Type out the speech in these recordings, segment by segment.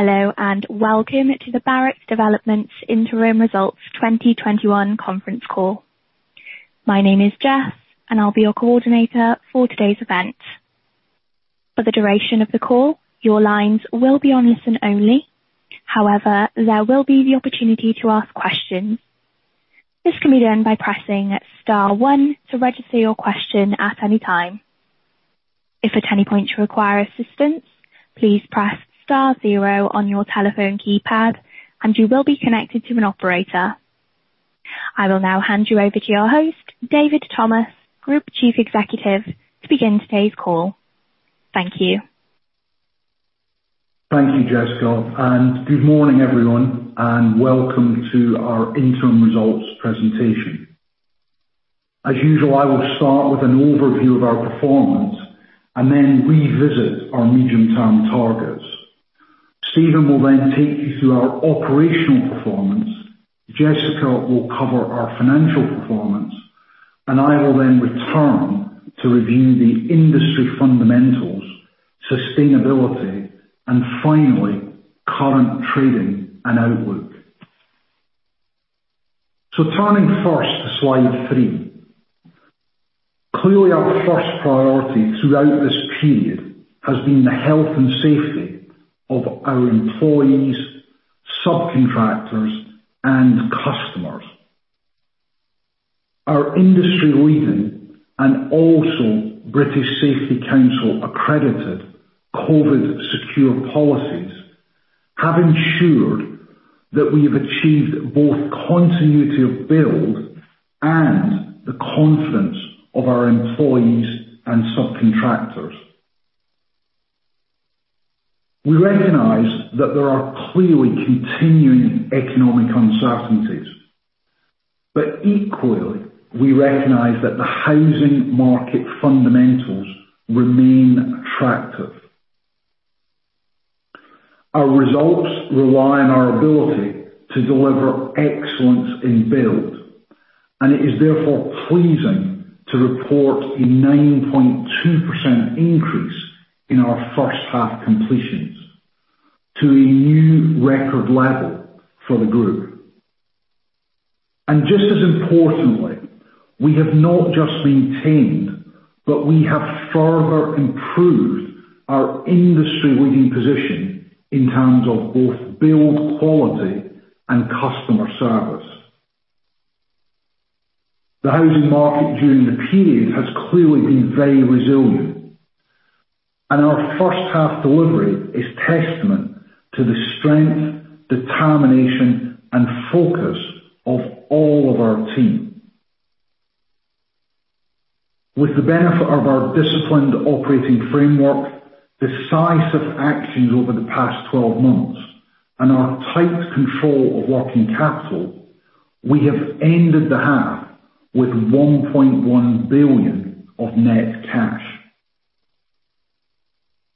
Hello, welcome to the Barratt Developments Interim Results 2021 conference call. My name is Jess, and I'll be your coordinator for today's event. For the duration of the call, your lines will be on listen-only. However, there will be the opportunity to ask questions. This can be done by pressing star one to register your question at any time. If at any point you require assistance, please press star zero on your telephone keypad, and you will be connected to an operator. I will now hand you over to your host, David Thomas, Group Chief Executive, to begin today's call. Thank you. Thank you, Jessica. Good morning, everyone, and welcome to our interim results presentation. As usual, I will start with an overview of our performance. Then revisit our medium-term targets. Steven will then take you through our operational performance, Jessica will cover our financial performance. I will then return to review the industry fundamentals, sustainability, and finally, current trading and outlook. Turning first to slide three. Clearly, our first priority throughout this period has been the health and safety of our employees, subcontractors, and customers. Our industry-leading and also British Safety Council accredited COVID-secure policies have ensured that we have achieved both continuity of build and the confidence of our employees and subcontractors. We recognize that there are clearly continuing economic uncertainties. Equally, we recognize that the housing market fundamentals remain attractive. Our results rely on our ability to deliver excellence in build, it is therefore pleasing to report a 9.2% increase in our first half completions to a new record level for the group. Just as importantly, we have not just maintained, but we have further improved our industry-leading position in terms of both build quality and customer service. The housing market during the period has clearly been very resilient, our first half delivery is testament to the strength, determination, and focus of all of our team. With the benefit of our disciplined operating framework, decisive actions over the past 12 months, and our tight control of working capital, we have ended the half with 1.1 billion of net cash.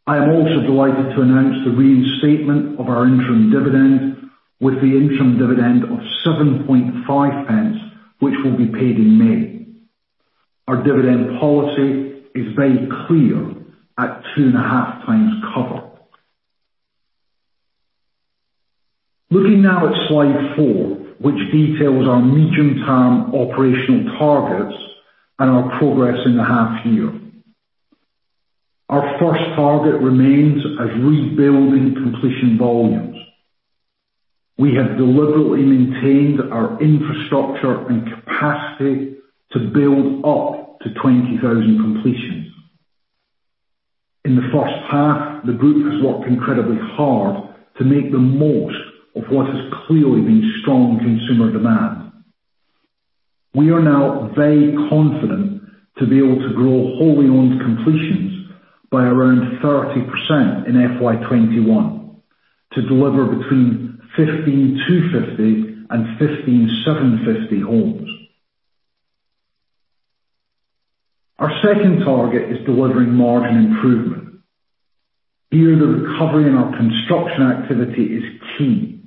I am also delighted to announce the reinstatement of our interim dividend, with the interim dividend of 0.075, which will be paid in May. Our dividend policy is very clear at 2.5x cover. Looking now at slide four, which details our medium-term operational targets and our progress in the half year. Our first target remains as rebuilding completion volumes. We have deliberately maintained our infrastructure and capacity to build up to 20,000 completions. In the first half, the group has worked incredibly hard to make the most of what has clearly been strong consumer demand. We are now very confident to be able to grow wholly owned completions by around 30% in FY 2021 to deliver between 15,250 and 15,750 homes. Our second target is delivering margin improvement. Here, the recovery in our construction activity is key,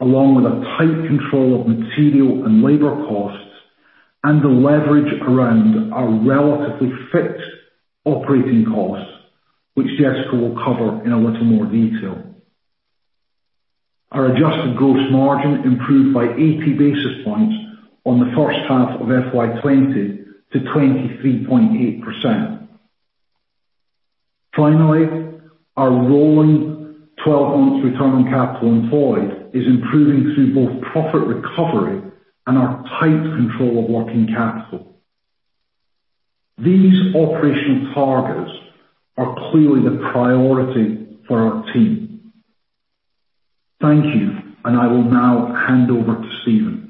along with a tight control of material and labor costs and the leverage around our relatively fixed operating costs, which Jessica will cover in a little more detail. Our adjusted gross margin improved by 80 basis points on the first half of FY 2020 to 23.8%. Finally, our rolling 12 months return on capital employed is improving through both profit recovery and our tight control of working capital. These operational targets are clearly the priority for our team. Thank you. I will now hand over to Steven.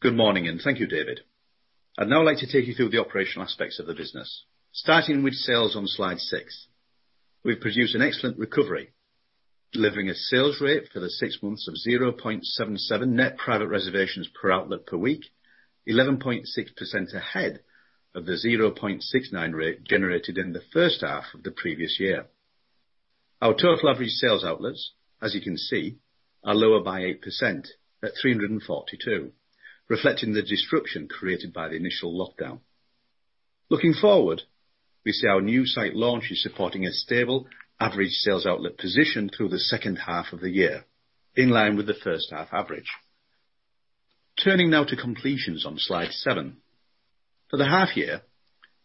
Good morning, thank you, David. I'd now like to take you through the operational aspects of the business, starting with sales on slide six. We've produced an excellent recovery, delivering a sales rate for the six months of 0.77 net private reservations per outlet per week, 11.6% ahead of the 0.69 rate generated in the first half of the previous year. Our total average sales outlets, as you can see, are lower by 8% at 342, reflecting the disruption created by the initial lockdown. Looking forward, we see our new site launches supporting a stable average sales outlet position through the second half of the year, in line with the first half average. Turning now to completions on slide seven. For the half year,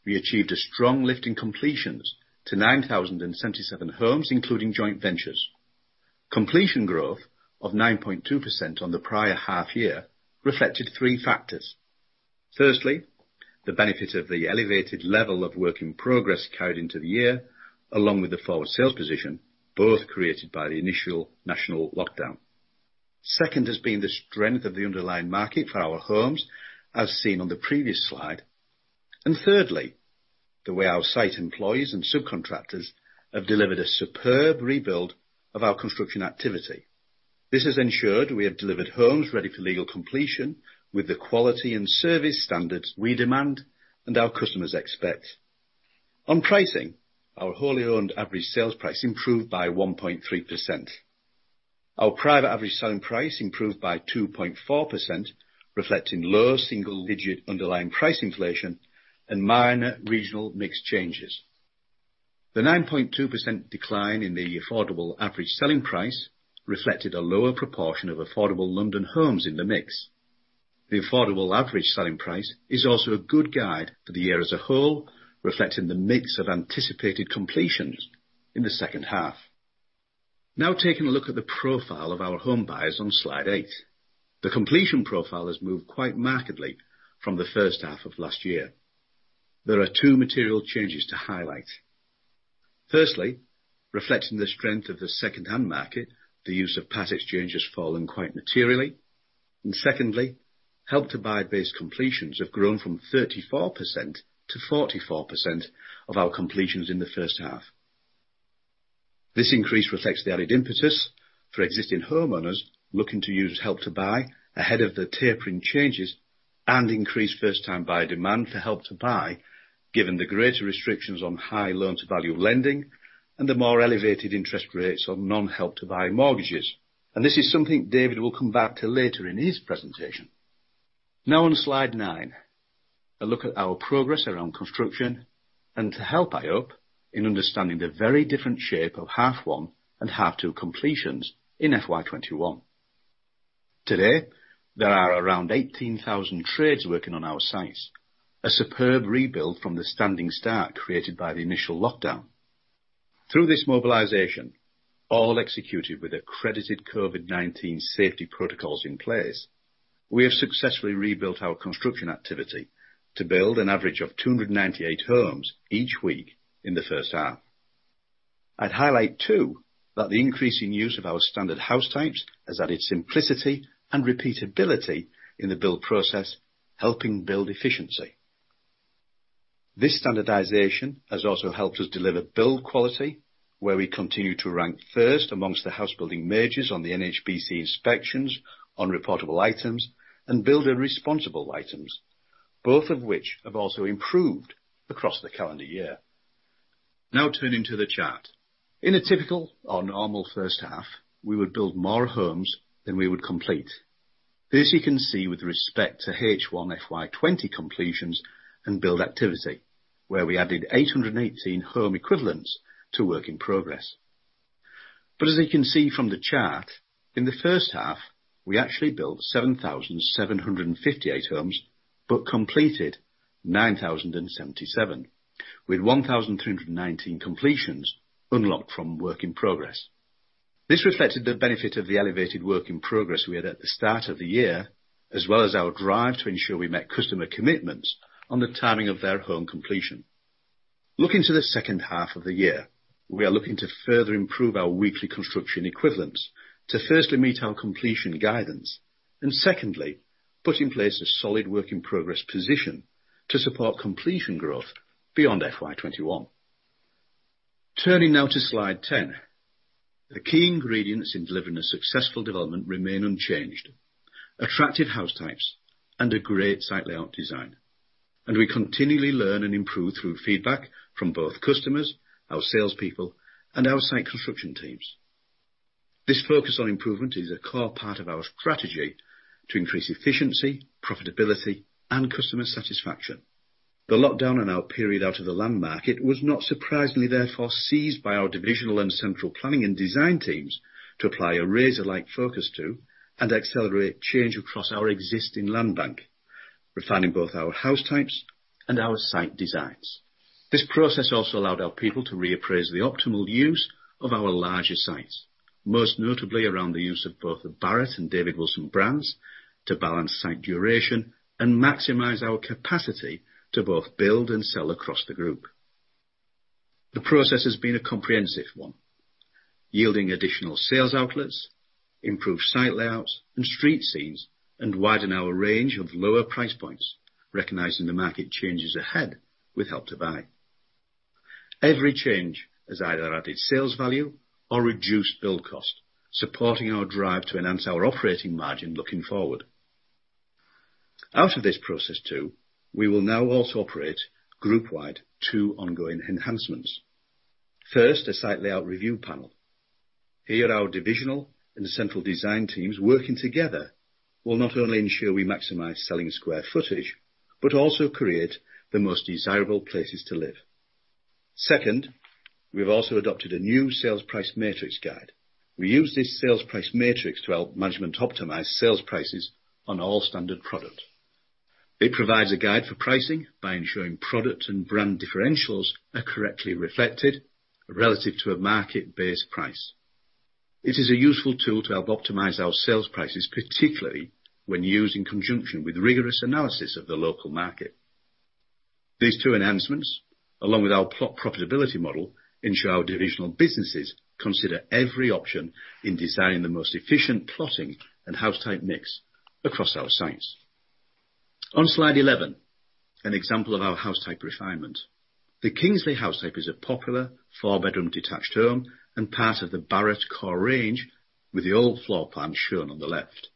we achieved a strong lift in completions to 9,077 homes, including joint ventures. Completion growth of 9.2% on the prior half year reflected three factors. Firstly, the benefit of the elevated level of work in progress carried into the year, along with the forward sales position, both created by the initial national lockdown. Second has been the strength of the underlying market for our homes, as seen on the previous slide. Thirdly, the way our site employees and subcontractors have delivered a superb rebuild of our construction activity. This has ensured we have delivered homes ready for legal completion with the quality and service standards we demand and our customers expect. On pricing, our wholly owned average sales price improved by 1.3%. Our private average selling price improved by 2.4%, reflecting low single-digit underlying price inflation and minor regional mix changes. The 9.2% decline in the affordable average selling price reflected a lower proportion of affordable London homes in the mix. The affordable average selling price is also a good guide for the year as a whole, reflecting the mix of anticipated completions in the second half. Now taking a look at the profile of our home buyers on slide eight. The completion profile has moved quite markedly from the first half of last year. There are two material changes to highlight. Firstly, reflecting the strength of the second-hand market, the use of part exchange has fallen quite materially. Secondly, Help to Buy-based completions have grown from 34% to 44% of our completions in the first half. This increase reflects the added impetus for existing homeowners looking to use Help to Buy ahead of the tapering changes and increased first-time buyer demand for Help to Buy, given the greater restrictions on high loan-to-value lending and the more elevated interest rates on non-Help to Buy mortgages. This is something David will come back to later in his presentation. On slide nine, a look at our progress around construction and to help, I hope, in understanding the very different shape of half one and half two completions in FY 2021. Today, there are around 18,000 trades working on our sites. A superb rebuild from the standing start created by the initial lockdown. Through this mobilization, all executed with accredited COVID-19 safety protocols in place, we have successfully rebuilt our construction activity to build an average of 298 homes each week in the first half. I'd highlight, too, that the increasing use of our standard house types has added simplicity and repeatability in the build process, helping build efficiency. This standardization has also helped us deliver build quality where we continue to rank first amongst the house building majors on the NHBC inspections on reportable items and builder responsible items, both of which have also improved across the calendar year. Now turning to the chart. In a typical or normal first half, we would build more homes than we would complete. This you can see with respect to H1 FY 2020 completions and build activity, where we added 818 home equivalents to work in progress. As you can see from the chart, in the first half, we actually built 7,758 homes, but completed 9,077. With 1,319 completions unlocked from work in progress. This reflected the benefit of the elevated work in progress we had at the start of the year, as well as our drive to ensure we met customer commitments on the timing of their home completion. Looking to the second half of the year, we are looking to further improve our weekly construction equivalents to firstly, meet our completion guidance and secondly, put in place a solid work in progress position to support completion growth beyond FY 2021. Turning now to slide 10. The key ingredients in delivering a successful development remain unchanged. Attractive house types and a great site layout design. We continually learn and improve through feedback from both customers, our salespeople, and our site construction teams. This focus on improvement is a core part of our strategy to increase efficiency, profitability, and customer satisfaction. The lockdown and our period out of the land market was not surprisingly, therefore, seized by our divisional and central planning and design teams to apply a razor-like focus to and accelerate change across our existing land bank, refining both our house types and our site designs. This process also allowed our people to reappraise the optimal use of our larger sites, most notably around the use of both the Barratt and David Wilson brands to balance site duration and maximize our capacity to both build and sell across the group. The process has been a comprehensive one, yielding additional sales outlets, improved site layouts and street scenes, and widen our range of lower price points, recognizing the market changes ahead with Help to Buy. Every change has either added sales value or reduced build cost, supporting our drive to enhance our operating margin looking forward. Out of this process too, we will now also operate group wide two ongoing enhancements. First, a site layout review panel. Here our divisional and the central design teams working together will not only ensure we maximize selling square footage, but also create the most desirable places to live. Second, we've also adopted a new sales price matrix guide. We use this sales price matrix to help management optimize sales prices on all standard product. It provides a guide for pricing by ensuring product and brand differentials are correctly reflected relative to a market-based price. It is a useful tool to help optimize our sales prices, particularly when used in conjunction with rigorous analysis of the local market. These two enhancements, along with our plot profitability model, ensure our divisional businesses consider every option in designing the most efficient plotting and house type mix across our sites. On slide 11, an example of our house type refinement. The Kingsley house type is a popular four-bedroom detached home and part of the Barratt core range with the old floor plan shown on the left.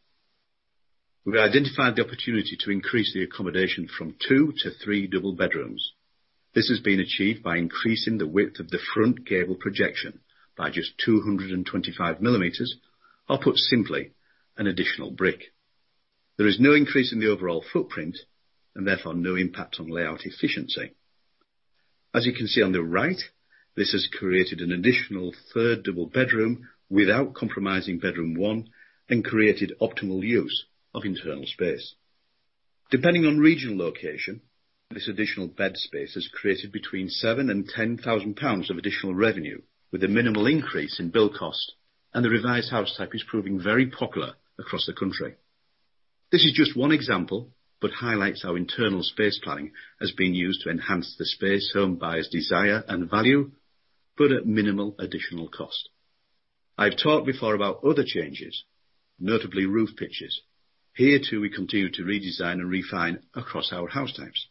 We identified the opportunity to increase the accommodation from two to three double bedrooms. This has been achieved by increasing the width of the front gable projection by just 225 mm, or put simply, an additional one brick. There is no increase in the overall footprint and therefore no impact on layout efficiency. As you can see on the right, this has created an additional third double bedroom without compromising bedroom one and created optimal use of internal space. Depending on regional location, this additional bed space has created between 7,000 and 10,000 pounds of additional revenue with a minimal increase in build cost, and the revised house type is proving very popular across the country. This is just one example, but highlights our internal space planning as being used to enhance the space home buyers desire and value, but at minimal additional cost. I've talked before about other changes, notably roof pitches. Here too we continue to redesign and refine across our house types.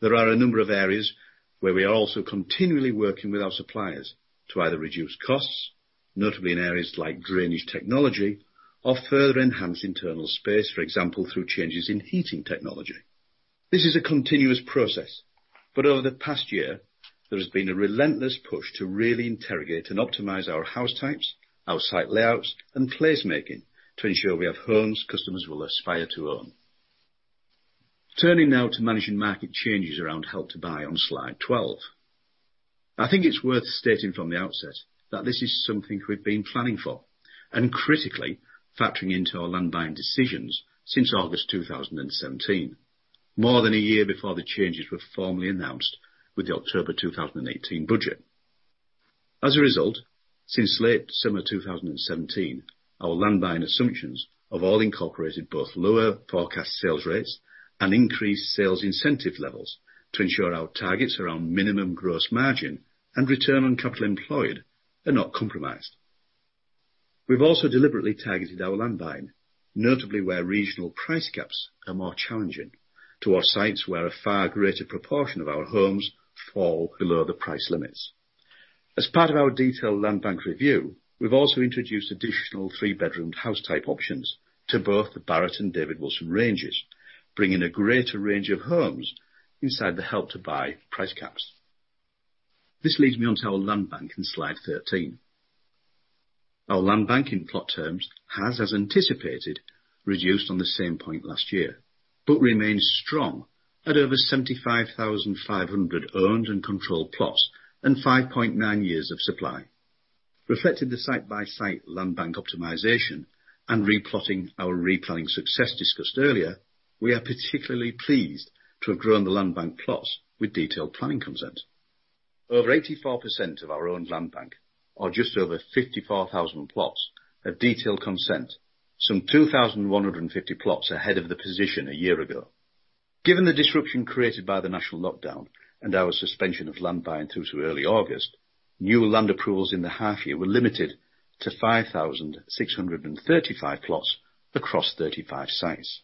There are a number of areas where we are also continually working with our suppliers to either reduce costs, notably in areas like drainage technology, or further enhance internal space, for example, through changes in heating technology. This is a continuous process, but over the past year, there has been a relentless push to really interrogate and optimize our house types, our site layouts, and placemaking to ensure we have homes customers will aspire to own. Turning now to managing market changes around Help to Buy on slide 12. I think it's worth stating from the outset that this is something we've been planning for and critically factoring into our land buying decisions since August 2017, more than a year before the changes were formally announced with the October 2018 budget. As a result, since late summer 2017, our land buying assumptions have all incorporated both lower forecast sales rates and increased sales incentive levels to ensure our targets around minimum gross margin and return on capital employed are not compromised. We've also deliberately targeted our land buying, notably where regional price caps are more challenging to our sites where a far greater proportion of our homes fall below the price limits. As part of our detailed land bank review, we've also introduced additional three-bedroom house type options to both the Barratt and David Wilson ranges, bringing a greater range of homes inside the Help to Buy price caps. This leads me onto our land bank in slide 13. Our land bank in plot terms has, as anticipated, reduced on the same point last year, but remains strong at over 75,500 owned and controlled plots and 5.9 years of supply. Reflecting the site-by-site land bank optimization and replotting our replanning success discussed earlier, we are particularly pleased to have grown the land bank plots with detailed planning consent. Over 84% of our owned land bank are just over 54,000 plots of detailed consent, some 2,150 plots ahead of the position a year ago. Given the disruption created by the national lockdown and our suspension of land buying through to early August, new land approvals in the half year were limited to 5,635 plots across 35 sites.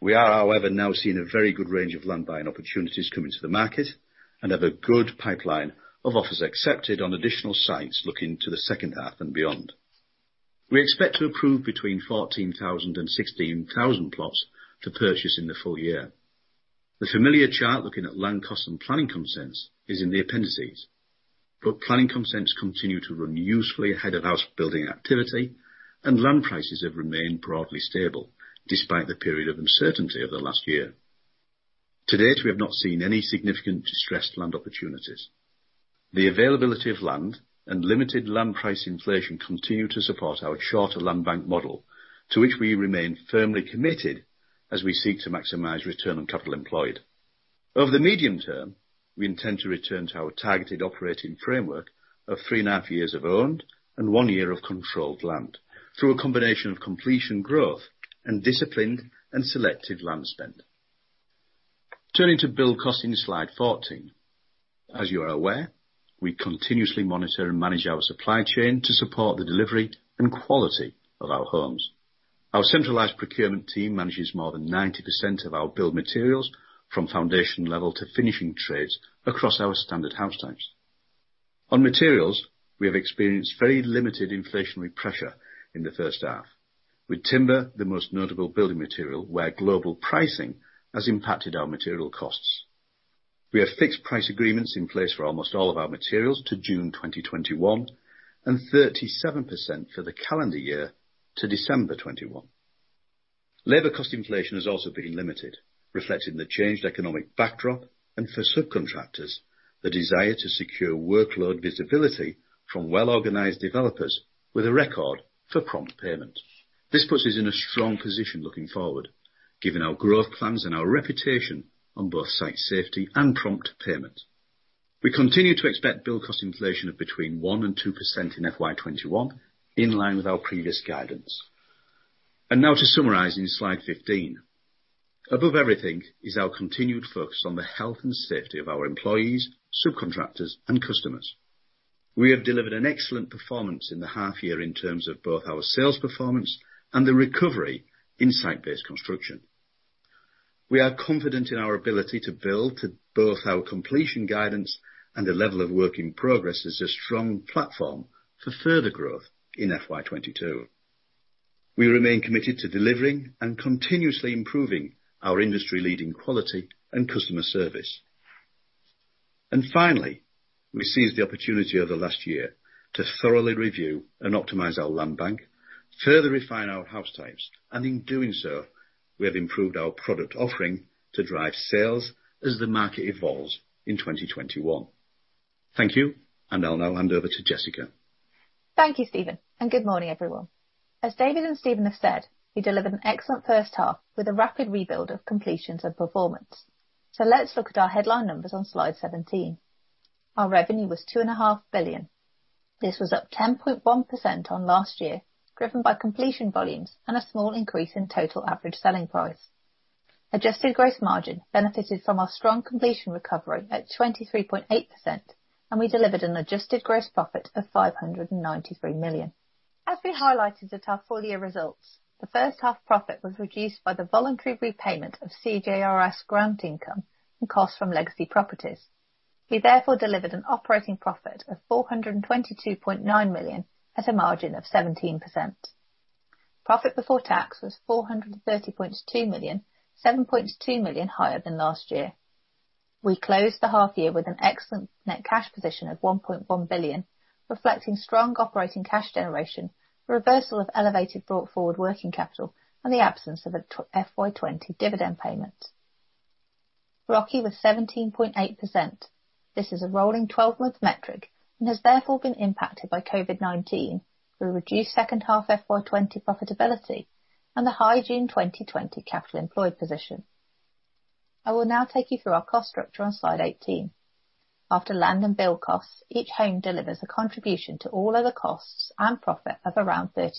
We are, however, now seeing a very good range of land buying opportunities coming to the market and have a good pipeline of offers accepted on additional sites looking to the second half and beyond. We expect to approve between 14,000 and 16,000 plots to purchase in the full year. The familiar chart looking at land cost and planning consents is in the appendices, but planning consents continue to run usefully ahead of house building activity and land prices have remained broadly stable despite the period of uncertainty over the last year. To date, we have not seen any significant distressed land opportunities. The availability of land and limited land price inflation continue to support our shorter land bank model, to which we remain firmly committed as we seek to maximize return on capital employed. Over the medium term, we intend to return to our targeted operating framework of three and a half years of owned and one year of controlled land through a combination of completion growth and disciplined and selective land spend. Turning to build cost in slide 14. As you are aware, we continuously monitor and manage our supply chain to support the delivery and quality of our homes. Our centralized procurement team manages more than 90% of our build materials from foundation level to finishing trades across our standard house types. On materials, we have experienced very limited inflationary pressure in the first half. With timber, the most notable building material, where global pricing has impacted our material costs. We have fixed price agreements in place for almost all of our materials to June 2021, and 37% for the calendar year to December 2021. Labor cost inflation has also been limited, reflecting the changed economic backdrop, and for subcontractors, the desire to secure workload visibility from well-organized developers with a record for prompt payment. This puts us in a strong position looking forward, given our growth plans and our reputation on both site safety and prompt payment. We continue to expect build cost inflation of between 1% and 2% in FY 2021, in line with our previous guidance. Now to summarize in slide 15. Above everything is our continued focus on the health and safety of our employees, subcontractors, and customers. We have delivered an excellent performance in the half year in terms of both our sales performance and the recovery in site-based construction. We are confident in our ability to build to both our completion guidance and the level of work in progress as a strong platform for further growth in FY 2022. We remain committed to delivering and continuously improving our industry leading quality and customer service. Finally, we seized the opportunity over the last year to thoroughly review and optimize our land bank, further refine our house types, and in doing so, we have improved our product offering to drive sales as the market evolves in 2021. Thank you, and I'll now hand over to Jessica. Thank you, Steven, and good morning, everyone. As David and Steven have said, we delivered an excellent first half with a rapid rebuild of completions and performance. Let's look at our headline numbers on slide 17. Our revenue was 2.5 billion. This was up 10.1% on last year, driven by completion volumes and a small increase in total average selling price. Adjusted gross margin benefited from our strong completion recovery at 23.8%, and we delivered an adjusted gross profit of 593 million. As we highlighted at our full year results, the first half profit was reduced by the voluntary repayment of CJRS grant income and costs from legacy properties. We therefore delivered an operating profit of 422.9 million at a margin of 17%. Profit before tax was 430.2 million, 7.2 million higher than last year. We closed the half year with an excellent net cash position of 1.1 billion, reflecting strong operating cash generation, a reversal of elevated brought forward working capital, and the absence of a FY 2020 dividend payment. ROCE was 17.8%. This is a rolling 12-month metric and has therefore been impacted by COVID-19 with reduced second half FY 2020 profitability and the high June 2020 capital employed position. I will now take you through our cost structure on slide 18. After land and build costs, each home delivers a contribution to all other costs and profit of around 32%.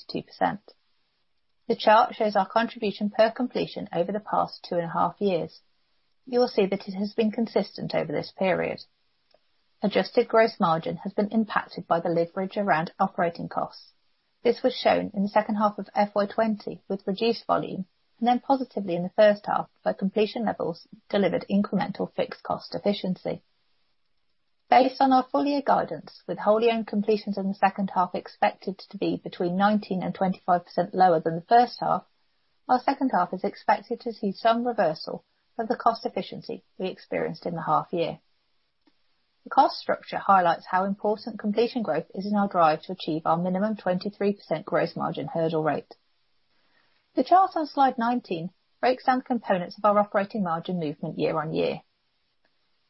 The chart shows our contribution per completion over the past two and a half years. You will see that it has been consistent over this period. Adjusted gross margin has been impacted by the leverage around operating costs. This was shown in the second half of FY 2020 with reduced volume, then positively in the first half, where completion levels delivered incremental fixed cost efficiency. Based on our full year guidance, with wholly owned completions in the second half expected to be between 19% and 25% lower than the first half, our second half is expected to see some reversal of the cost efficiency we experienced in the half year. The cost structure highlights how important completion growth is in our drive to achieve our minimum 23% gross margin hurdle rate. The chart on slide 19 breaks down the components of our operating margin movement year-over-year.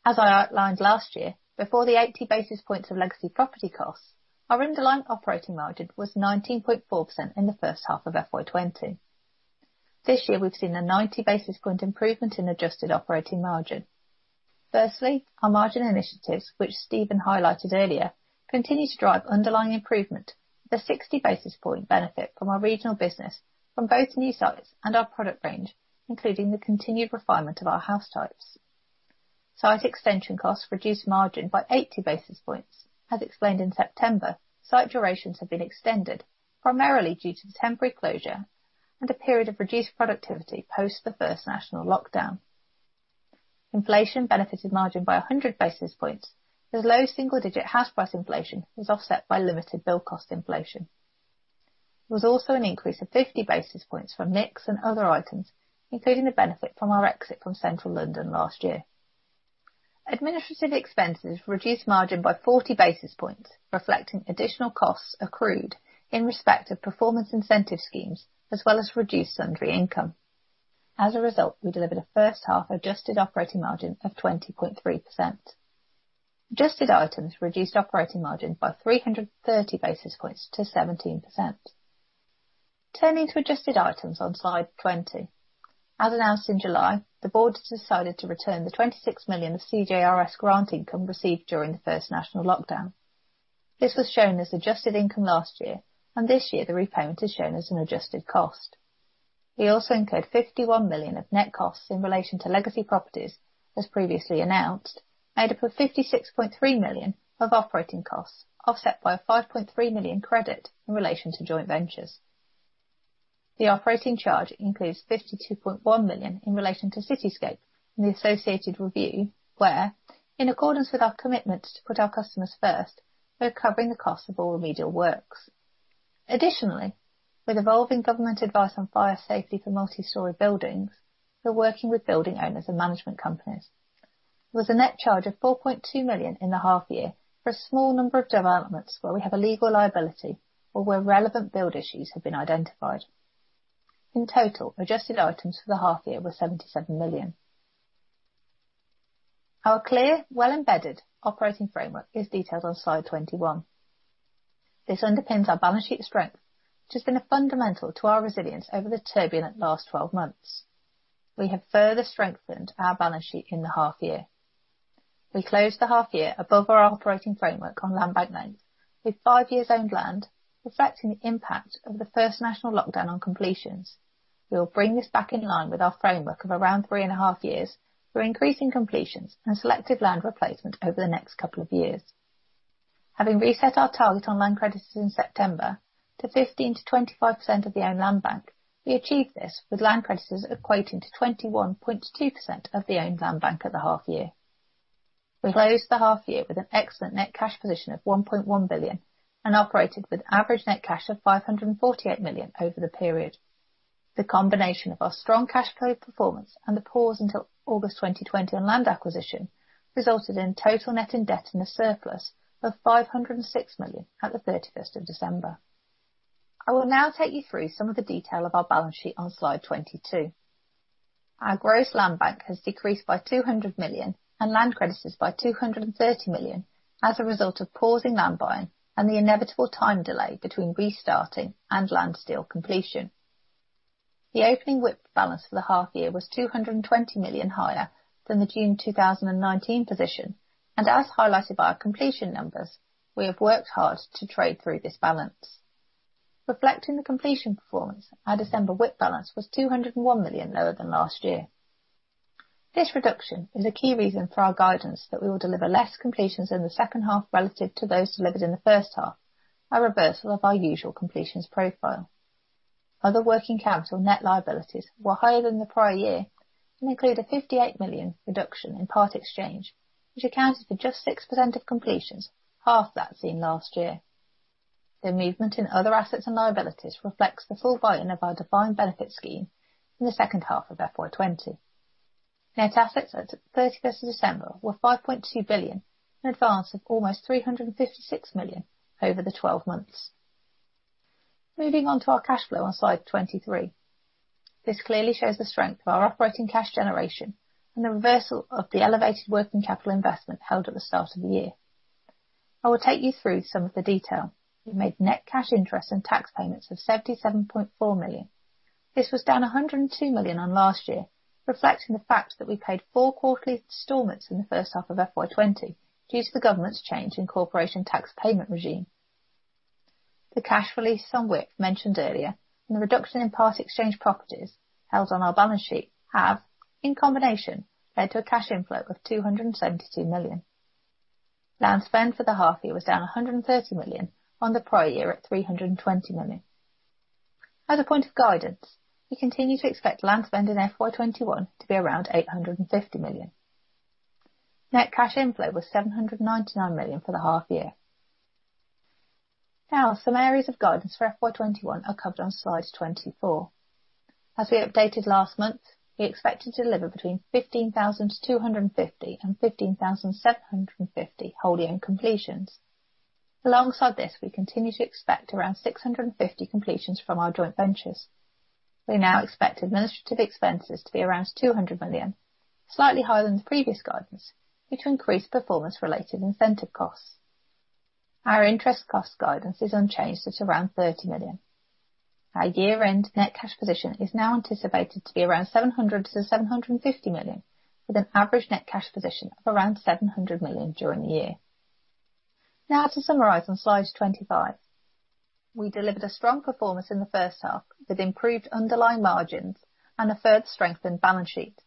As I outlined last year, before the 80 basis points of legacy property costs, our underlying operating margin was 19.4% in the first half of FY 2020. This year, we've seen a 90 basis point improvement in adjusted operating margin. Firstly, our margin initiatives, which Steven highlighted earlier, continue to drive underlying improvement with a 60 basis point benefit from our regional business from both new sites and our product range, including the continued refinement of our house types. Site extension costs reduced margin by 80 basis points. As explained in September, site durations have been extended, primarily due to the temporary closure and a period of reduced productivity post the first national lockdown. Inflation benefited margin by 100 basis points, as low single digit house price inflation was offset by limited build cost inflation. There was also an increase of 50 basis points from mix and other items, including the benefit from our exit from Central London last year. Administrative expenses reduced margin by 40 basis points, reflecting additional costs accrued in respect of performance incentive schemes, as well as reduced sundry income. As a result, we delivered a first half adjusted operating margin of 20.3%. Adjusted items reduced operating margin by 330 basis points to 17%. Turning to adjusted items on slide 20. As announced in July, the board has decided to return the 26 million of CJRS grant income received during the first national lockdown. This was shown as adjusted income last year, and this year the repayment is shown as an adjusted cost. We also incurred 51 million of net costs in relation to legacy properties, as previously announced, made up of 56.3 million of operating costs, offset by a 5.3 million credit in relation to joint ventures. The operating charge includes 52.1 million in relation to Citiscape and the associated review, where, in accordance with our commitment to put our customers first, we're covering the cost of all remedial works. Additionally, with evolving government advice on fire safety for multi-story buildings, we're working with building owners and management companies. There was a net charge of 4.2 million in the half year for a small number of developments where we have a legal liability or where relevant build issues have been identified. In total, adjusted items for the half year were 77 million. Our clear, well-embedded operating framework is detailed on slide 21. This underpins our balance sheet strength, which has been a fundamental to our resilience over the turbulent last 12 months. We have further strengthened our balance sheet in the half year. We closed the half year above our operating framework on land bank length, with five years owned land, reflecting the impact of the first national lockdown on completions. We will bring this back in line with our framework of around three and a half years. We're increasing completions and selective land replacement over the next couple of years. Having reset our target on land credits in September to 15%-25% of the owned land bank, we achieved this with land credits equating to 21.2% of the owned land bank at the half year. We closed the half year with an excellent net cash position of 1.1 billion and operated with average net cash of 548 million over the period. The combination of our strong cash flow performance and the pause until August 2020 on land acquisition resulted in total net debt in a surplus of 506 million at the 31st of December. I will now take you through some of the detail of our balance sheet on slide 22. Our gross land bank has decreased by 200 million and land credits by 230 million as a result of pausing land buying and the inevitable time delay between restarting and land sale completion. The opening WIP balance for the half year was 220 million higher than the June 2019 position, and as highlighted by our completion numbers, we have worked hard to trade through this balance. Reflecting the completion performance, our December WIP balance was 201 million lower than last year. This reduction is a key reason for our guidance that we will deliver less completions in the second half relative to those delivered in the first half, a reversal of our usual completions profile. Other working capital net liabilities were higher than the prior year and include a 58 million reduction in part exchange, which accounted for just 6% of completions, half that seen last year. The movement in other assets and liabilities reflects the full buy-in of our defined benefit scheme in the second half of FY 2020. Net assets at the 31st of December were 5.2 billion, an advance of almost 356 million over the 12 months. Moving on to our cash flow on slide 23. I will take you through some of the detail. We made net cash interest and tax payments of 77.4 million. This was down 102 million on last year, reflecting the fact that we paid four quarterly installments in the first half of FY 2020 due to the government's change in corporation tax payment regime. The cash release on WIP mentioned earlier and the reduction in part exchange properties held on our balance sheet have, in combination, led to a cash inflow of 272 million. Land spend for the half year was down 130 million on the prior year at 320 million. As a point of guidance, we continue to expect land spend in FY 2021 to be around 850 million. Net cash inflow was 799 million for the half year. Some areas of guidance for FY 2021 are covered on slide 24. As we updated last month, we expected to deliver between 15,250 and 15,750 wholly owned completions. Alongside this, we continue to expect around 650 completions from our joint ventures. We now expect administrative expenses to be around 200 million, slightly higher than the previous guidance due to increased performance-related incentive costs. Our interest cost guidance is unchanged at around 30 million. Our year-end net cash position is now anticipated to be around 700 million-750 million, with an average net cash position of around 700 million during the year. To summarize on slide 25. We delivered a strong performance in the first half with improved underlying margins and a further strengthened balance sheet.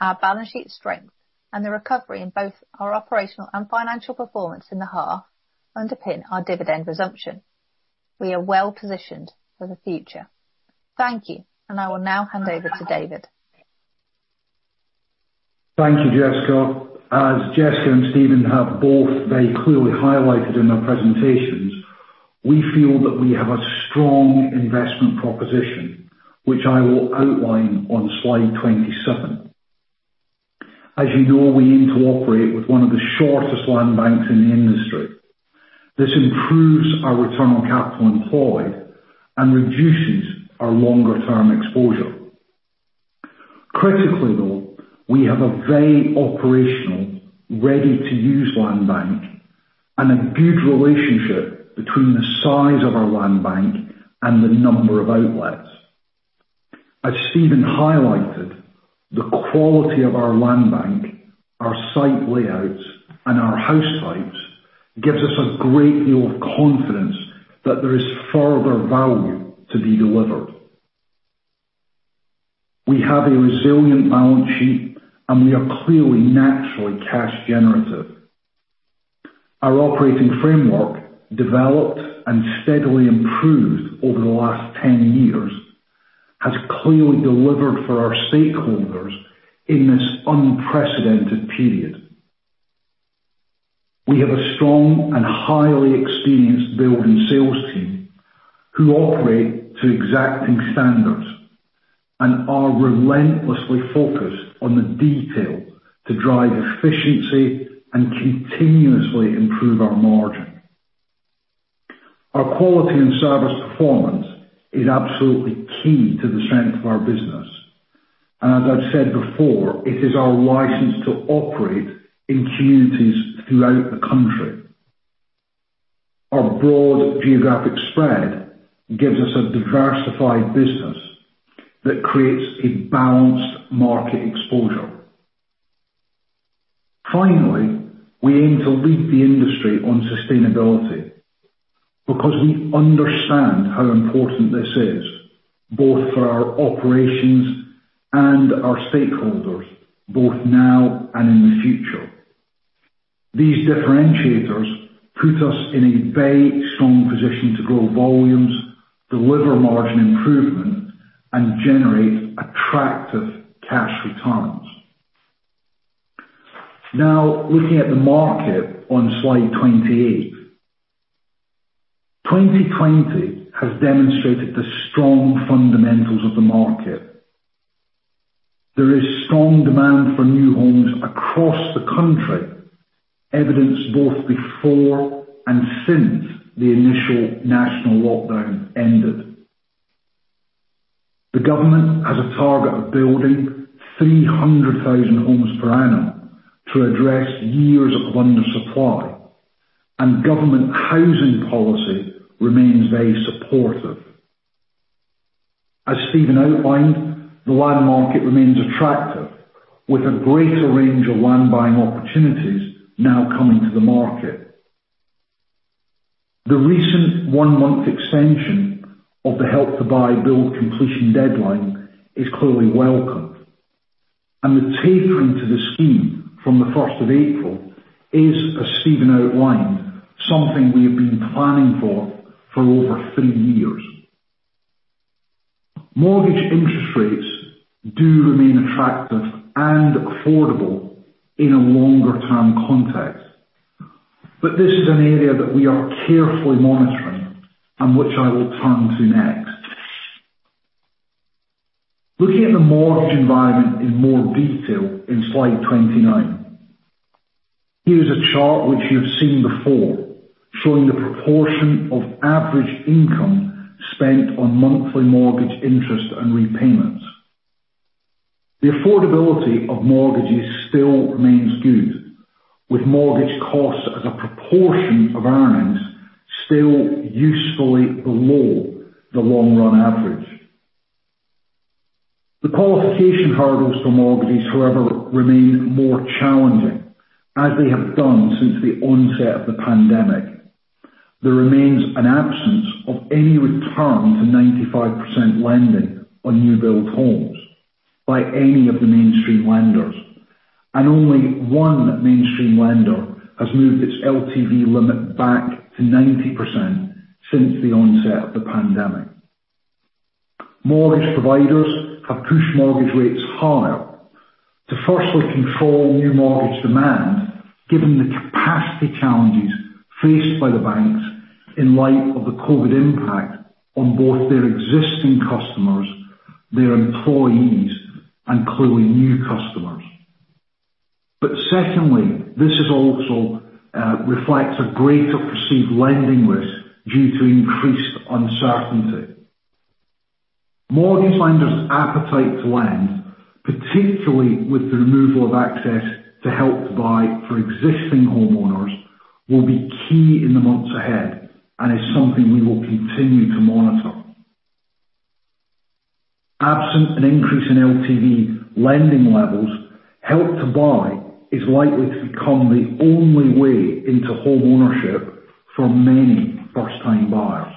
Our balance sheet strength and the recovery in both our operational and financial performance in the half underpin our dividend resumption. We are well-positioned for the future. Thank you, and I will now hand over to David. Thank you, Jessica. As Jessica and Steven have both very clearly highlighted in their presentations, we feel that we have a strong investment proposition, which I will outline on slide 27. As you know, we aim to operate with one of the shortest land banks in the industry. This improves our return on capital employed and reduces our longer-term exposure. Critically, though, we have a very operational, ready-to-use land bank and a good relationship between the size of our land bank and the number of outlets. As Steven highlighted, the quality of our land bank, our site layouts, and our house types gives us a great deal of confidence that there is further value to be delivered. We have a resilient balance sheet, and we are clearly naturally cash generative. Our operating framework, developed and steadily improved over the last 10 years, has clearly delivered for our stakeholders in this unprecedented period. We have a strong and highly experienced build and sales team who operate to exacting standards and are relentlessly focused on the detail to drive efficiency and continuously improve our margin. Our quality and service performance is absolutely key to the strength of our business, and as I've said before, it is our license to operate in communities throughout the country. Our broad geographic spread gives us a diversified business that creates a balanced market exposure. Finally, we aim to lead the industry on sustainability because we understand how important this is, both for our operations and our stakeholders, both now and in the future. These differentiators put us in a very strong position to grow volumes, deliver margin improvement, and generate attractive cash returns. Looking at the market on slide 28. 2020 has demonstrated the strong fundamentals of the market. There is strong demand for new homes across the country, evidenced both before and since the initial national lockdown ended. The government has a target of building 300,000 homes per annum to address years of under supply. Government housing policy remains very supportive. As Steven outlined, the land market remains attractive, with a greater range of land buying opportunities now coming to the market. The recent one-month extension of the Help to Buy build completion deadline is clearly welcomed. The tapering to the scheme from the 1st of April is, as Steven outlined, something we have been planning for over three years. Mortgage interest rates do remain attractive and affordable in a longer term context. This is an area that we are carefully monitoring and which I will turn to next. Looking at the mortgage environment in more detail in slide 29. Here's a chart which you've seen before, showing the proportion of average income spent on monthly mortgage interest and repayments. The affordability of mortgages still remains good, with mortgage costs as a proportion of earnings still usefully below the long-run average. The qualification hurdles for mortgages, however, remain more challenging, as they have done since the onset of the pandemic. There remains an absence of any return to 95% lending on new build homes by any of the mainstream lenders, and only one mainstream lender has moved its LTV limit back to 90% since the onset of the pandemic. Mortgage providers have pushed mortgage rates higher to firstly control new mortgage demand, given the capacity challenges faced by the banks in light of the COVID impact on both their existing customers, their employees, and clearly new customers. Secondly, this also reflects a greater perceived lending risk due to increased uncertainty. Mortgage lenders' appetite to lend, particularly with the removal of access to Help to Buy for existing homeowners, will be key in the months ahead and is something we will continue to monitor. Absent an increase in LTV lending levels, Help to Buy is likely to become the only way into home ownership for many first-time buyers.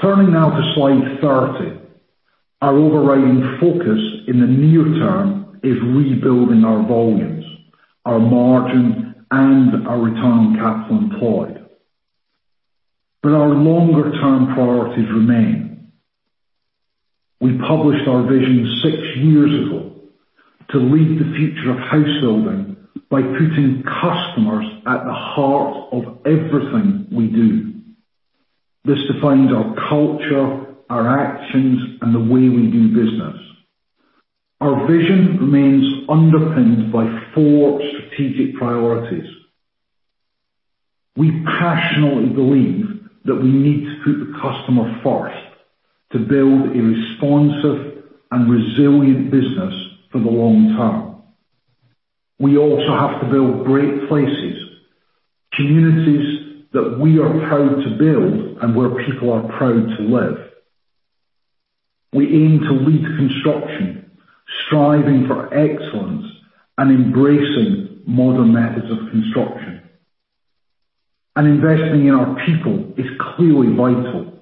Turning now to slide 30. Our overriding focus in the near term is rebuilding our volumes, our margin, and our return on capital employed. Our longer term priorities remain. We published our vision six years ago to lead the future of house building by putting customers at the heart of everything we do. This defines our culture, our actions, and the way we do business. Our vision remains underpinned by four strategic priorities. We passionately believe that we need to put the customer first to build a responsive and resilient business for the long term. We also have to build great places, communities that we are proud to build and where people are proud to live. We aim to lead construction, striving for excellence and embracing modern methods of construction. Investing in our people is clearly vital.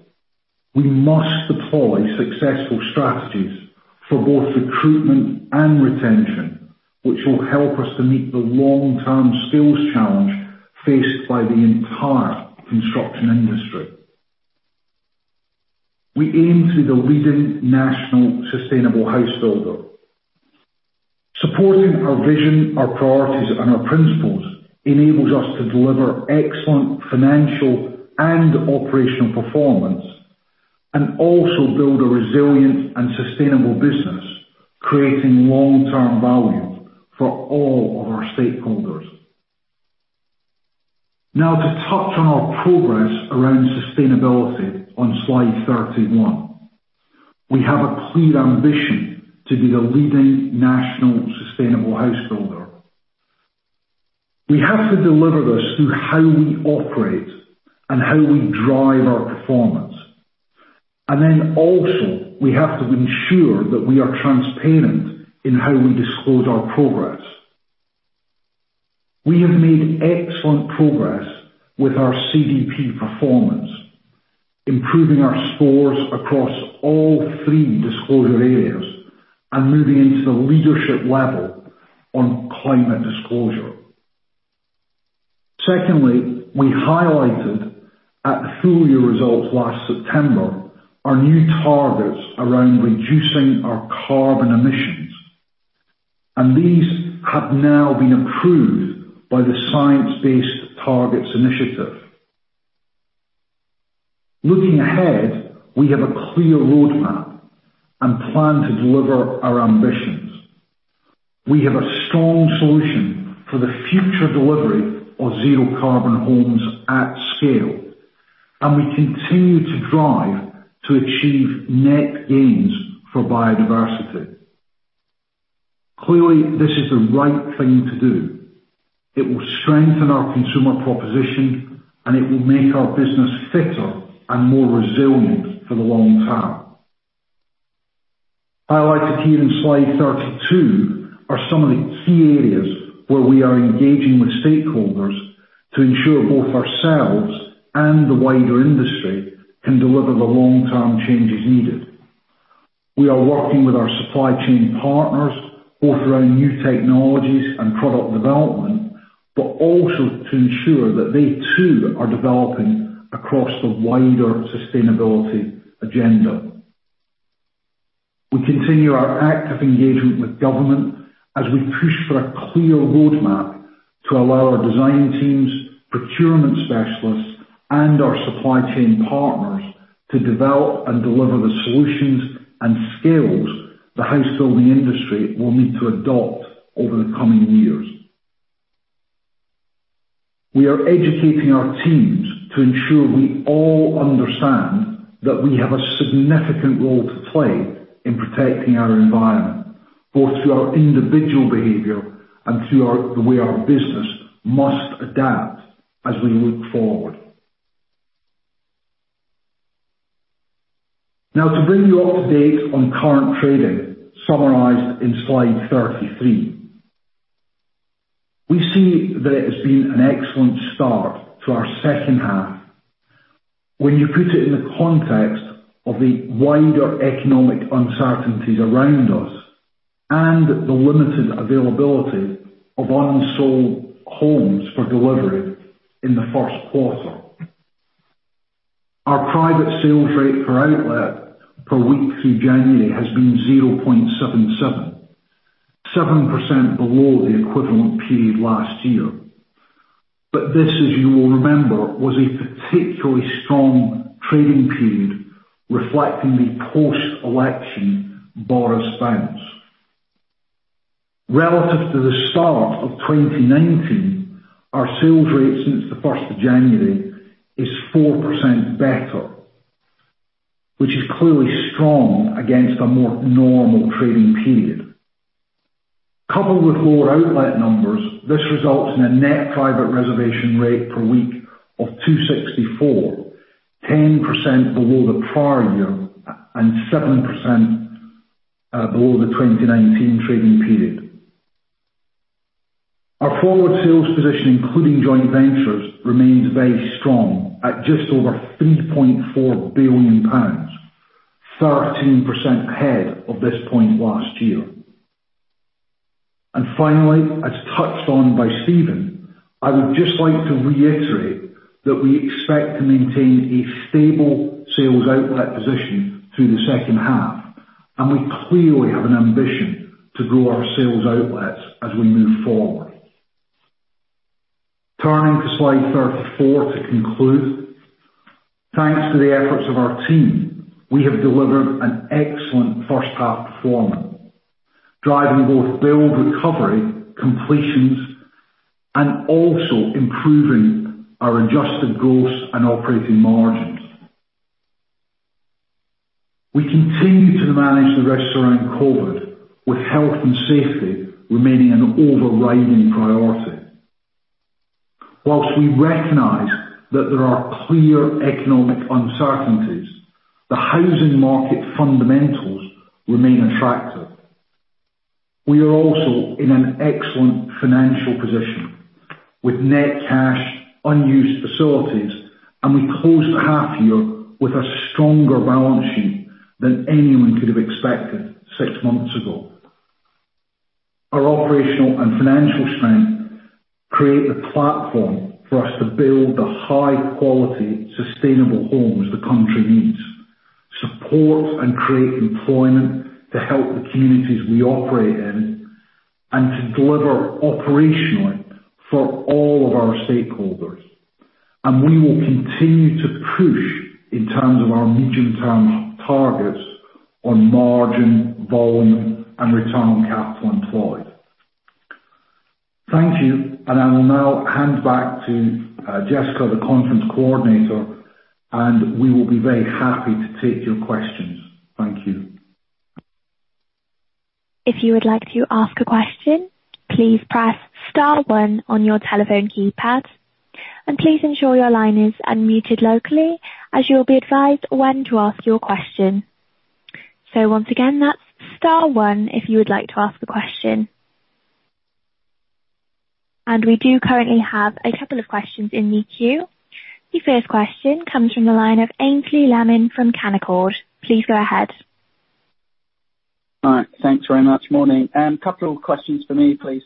We must deploy successful strategies for both recruitment and retention, which will help us to meet the long-term skills challenge faced by the entire construction industry. We aim to be the leading national sustainable house builder. Supporting our vision, our priorities, and our principles enables us to deliver excellent financial and operational performance, also build a resilient and sustainable business, creating long-term value for all of our stakeholders. To touch on our progress around sustainability on slide 31. We have a clear ambition to be the leading national sustainable housebuilder. We have to deliver this through how we operate and how we drive our performance. Also, we have to ensure that we are transparent in how we disclose our progress. We have made excellent progress with our CDP performance, improving our scores across all three disclosure areas and moving into the leadership level on climate disclosure. Secondly, we highlighted at the full-year results last September, our new targets around reducing our carbon emissions. These have now been approved by the Science Based Targets initiative. Looking ahead, we have a clear roadmap and plan to deliver our ambitions. We have a strong solution for the future delivery of zero carbon homes at scale, and we continue to drive to achieve net gains for biodiversity. Clearly, this is the right thing to do. It will strengthen our consumer proposition, and it will make our business fitter and more resilient for the long term. Highlighted here in slide 32 are some of the key areas where we are engaging with stakeholders to ensure both ourselves and the wider industry can deliver the long-term changes needed. We are working with our supply chain partners, both around new technologies and product development, but also to ensure that they too are developing across the wider sustainability agenda. We continue our active engagement with government as we push for a clear roadmap to allow our design teams, procurement specialists, and our supply chain partners to develop and deliver the solutions and skills the house building industry will need to adopt over the coming years. We are educating our teams to ensure we all understand that we have a significant role to play in protecting our environment, both through our individual behavior and through the way our business must adapt as we look forward. Now to bring you up to date on current trading, summarized in slide 33. We see that it has been an excellent start to our second half. When you put it in the context of the wider economic uncertainties around us and the limited availability of unsold homes for delivery in the first quarter. Our private sales rate per outlet per week through January has been 0.77, 7% below the equivalent period last year. This, as you will remember, was a particularly strong trading period, reflecting the post-election Boris bounce. Relative to the start of 2019, our sales rate since the 1st of January is 4% better, which is clearly strong against a more normal trading period. Coupled with lower outlet numbers, this results in a net private reservation rate per week of 264, 10% below the prior year and 7% below the 2019 trading period. Our forward sales position, including joint ventures, remains very strong at just over 3.4 billion pounds, 13% ahead of this point last year. Finally, as touched on by Steven, I would just like to reiterate that we expect to maintain a stable sales outlet position through the second half, and we clearly have an ambition to grow our sales outlets as we move forward. Turning to slide 34 to conclude. Thanks to the efforts of our team, we have delivered an excellent first half performance, driving both build recovery, completions, and also improving our adjusted gross and operating margins. We continue to manage the risks around COVID, with health and safety remaining an overriding priority. While we recognize that there are clear economic uncertainties, the housing market fundamentals remain attractive. We are also in an excellent financial position with net cash unused facilities, and we closed the half year with a stronger balance sheet than anyone could have expected six months ago. Our operational and financial strength create a platform for us to build the high-quality, sustainable homes the country needs, support and create employment to help the communities we operate in, and to deliver operationally for all of our stakeholders. We will continue to push in terms of our medium-term targets on margin, volume, and Return on Capital Employed. Thank you. I will now hand back to Jessica, the conference coordinator, and we will be very happy to take your questions. Thank you. If you would like to ask a question, please press star one on your telephone keypad. Please ensure your line is unmuted locally, as you will be advised when to ask your question. Once again, that's star one if you would like to ask a question. We do currently have a couple of questions in the queue. The first question comes from the line of Aynsley Lammin from Canaccord. Please go ahead. All right. Thanks very much. Morning. A couple of questions for me, please.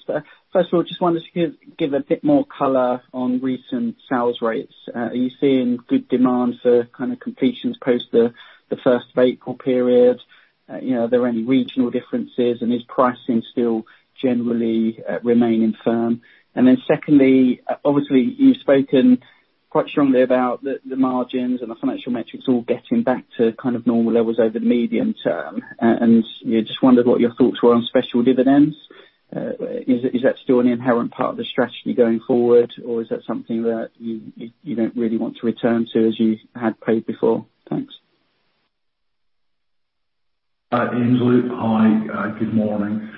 First of all, just wanted to give a bit more color on recent sales rates. Are you seeing good demand for completions post the first of April period? Are there any regional differences? Is pricing still generally remaining firm? Secondly, obviously, you've spoken quite strongly about the margins and the financial metrics all getting back to normal levels over the medium term. Just wondered what your thoughts were on special dividends. Is that still an inherent part of the strategy going forward, or is that something that you don't really want to return to as you had paid before? Thanks. Aynsley, hi. Good morning.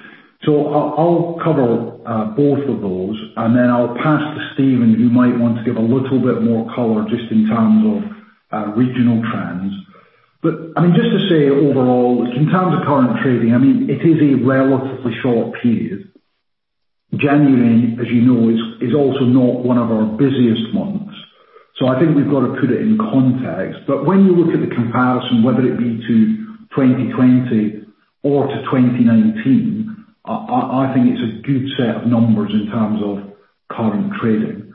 I'll cover both of those, and then I'll pass to Steven, who might want to give a little bit more color just in terms of regional trends. Just to say overall, in terms of current trading, it is a relatively short period. January, as you know, is also not one of our busiest months. I think we've got to put it in context. When you look at the comparison, whether it be to 2020 or to 2019, I think it's a good set of numbers in terms of current trading.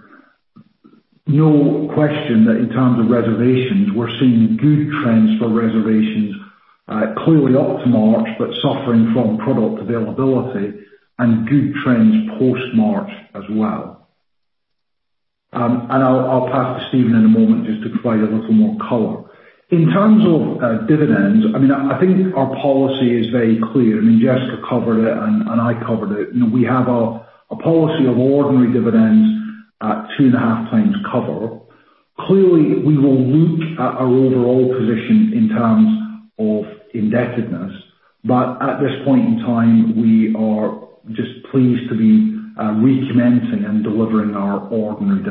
No question that in terms of reservations, we're seeing good trends for reservations, clearly up to March, but suffering from product availability, and good trends post March as well. I'll pass to Steven in a moment just to provide a little more color. In terms of dividends, I think our policy is very clear. Jessica covered it, and I covered it. We have a policy of ordinary dividends at 2.5x Cover. Clearly, we will look at our overall position in terms of indebtedness. At this point in time, we are just pleased to be recommencing and delivering our ordinary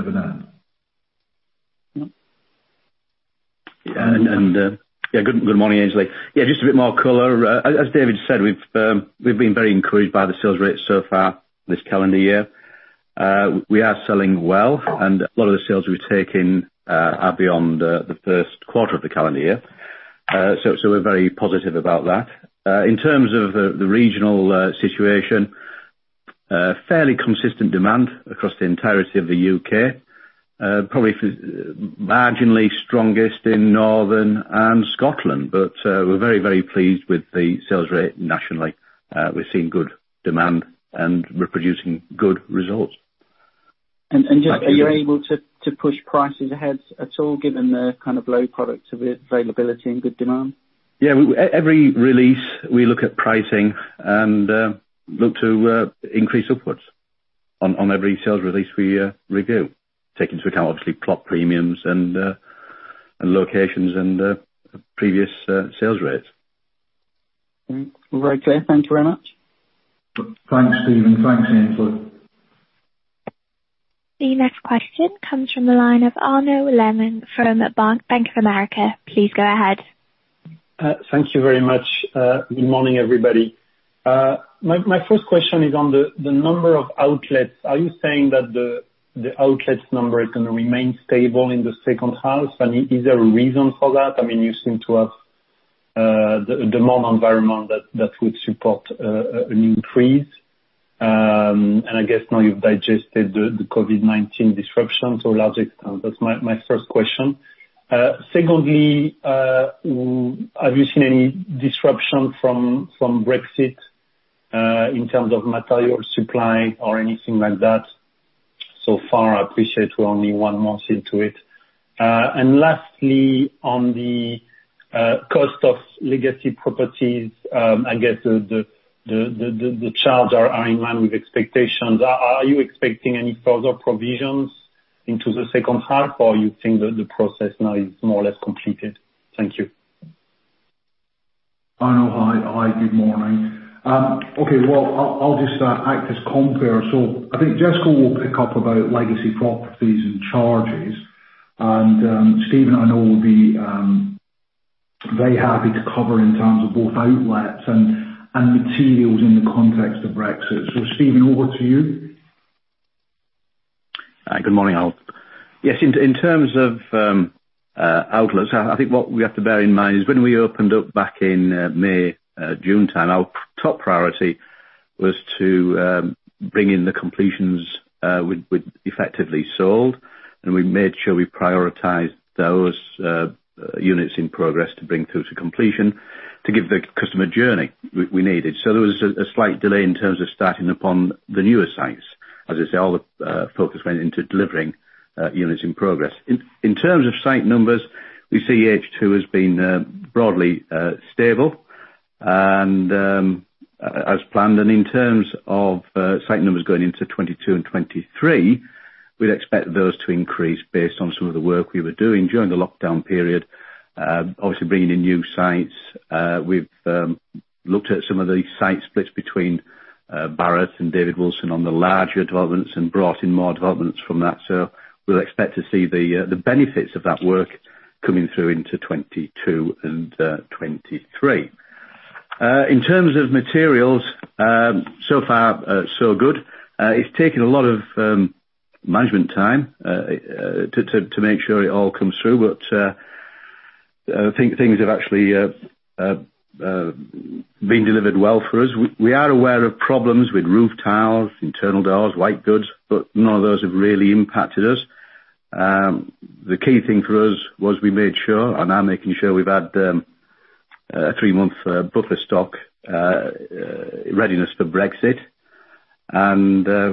dividend. Good morning, Aynsley. Yeah, just a bit more color. As David said, we've been very encouraged by the sales rate so far this calendar year. We are selling well, and a lot of the sales we've taken are beyond the first quarter of the calendar year. We're very positive about that. In terms of the regional situation, fairly consistent demand across the entirety of the U.K. Probably marginally strongest in Northern and Scotland. We're very pleased with the sales rate nationally. We're seeing good demand, and we're producing good results. Just, are you able to push prices ahead at all, given the low product availability and good demand? Yeah. Every release we look at pricing and look to increase upwards on every sales release we review, taking into account, obviously, plot premiums and locations and previous sales rates. All right. Clear. Thank you very much. Thanks, Steven. Thanks, Aynsley. The next question comes from the line of Arnaud Lehmann from Bank of America. Please go ahead. Thank you very much. Good morning, everybody. My first question is on the number of outlets. Are you saying that the outlets number is going to remain stable in the second half? Is there a reason for that? You seem to have the demand environment that would support an increase. I guess now you've digested the COVID-19 disruption to a large extent. That's my first question. Secondly, have you seen any disruption from Brexit in terms of material supply or anything like that so far? I appreciate we're only one month into it. Lastly, on the cost of legacy properties, I guess the charges are in line with expectations. Are you expecting any further provisions into the second half, or you think that the process now is more or less completed? Thank you. Arnaud, hi. Good morning. Okay. Well, I'll just act as compare. I think Jessica will pick up about legacy properties and charges, and Steven I know will be very happy to cover in terms of both outlets and materials in the context of Brexit. Steven, over to you. Hi, good morning all. Yes, in terms of outlets, I think what we have to bear in mind is when we opened up back in May, June time, our top priority was to bring in the completions we'd effectively sold, and we made sure we prioritized those units in progress to bring through to completion to give the customer journey we needed. There was a slight delay in terms of starting upon the newer sites. As I say, all the focus went into delivering units in progress. In terms of site numbers, we see H2 has been broadly stable and as planned. In terms of site numbers going into 2022 and 2023, we'd expect those to increase based on some of the work we were doing during the lockdown period. Obviously bringing in new sites. We've looked at some of the site splits between Barratt and David Wilson on the larger developments and brought in more developments from that, so we'll expect to see the benefits of that work coming through into 2022 and 2023. In terms of materials, so far so good. It's taken a lot of management time to make sure it all comes through. I think things have actually been delivered well for us. We are aware of problems with roof tiles, internal doors, white goods, but none of those have really impacted us. The key thing for us was we made sure, and are making sure, we've had a three-month buffer stock readiness for Brexit.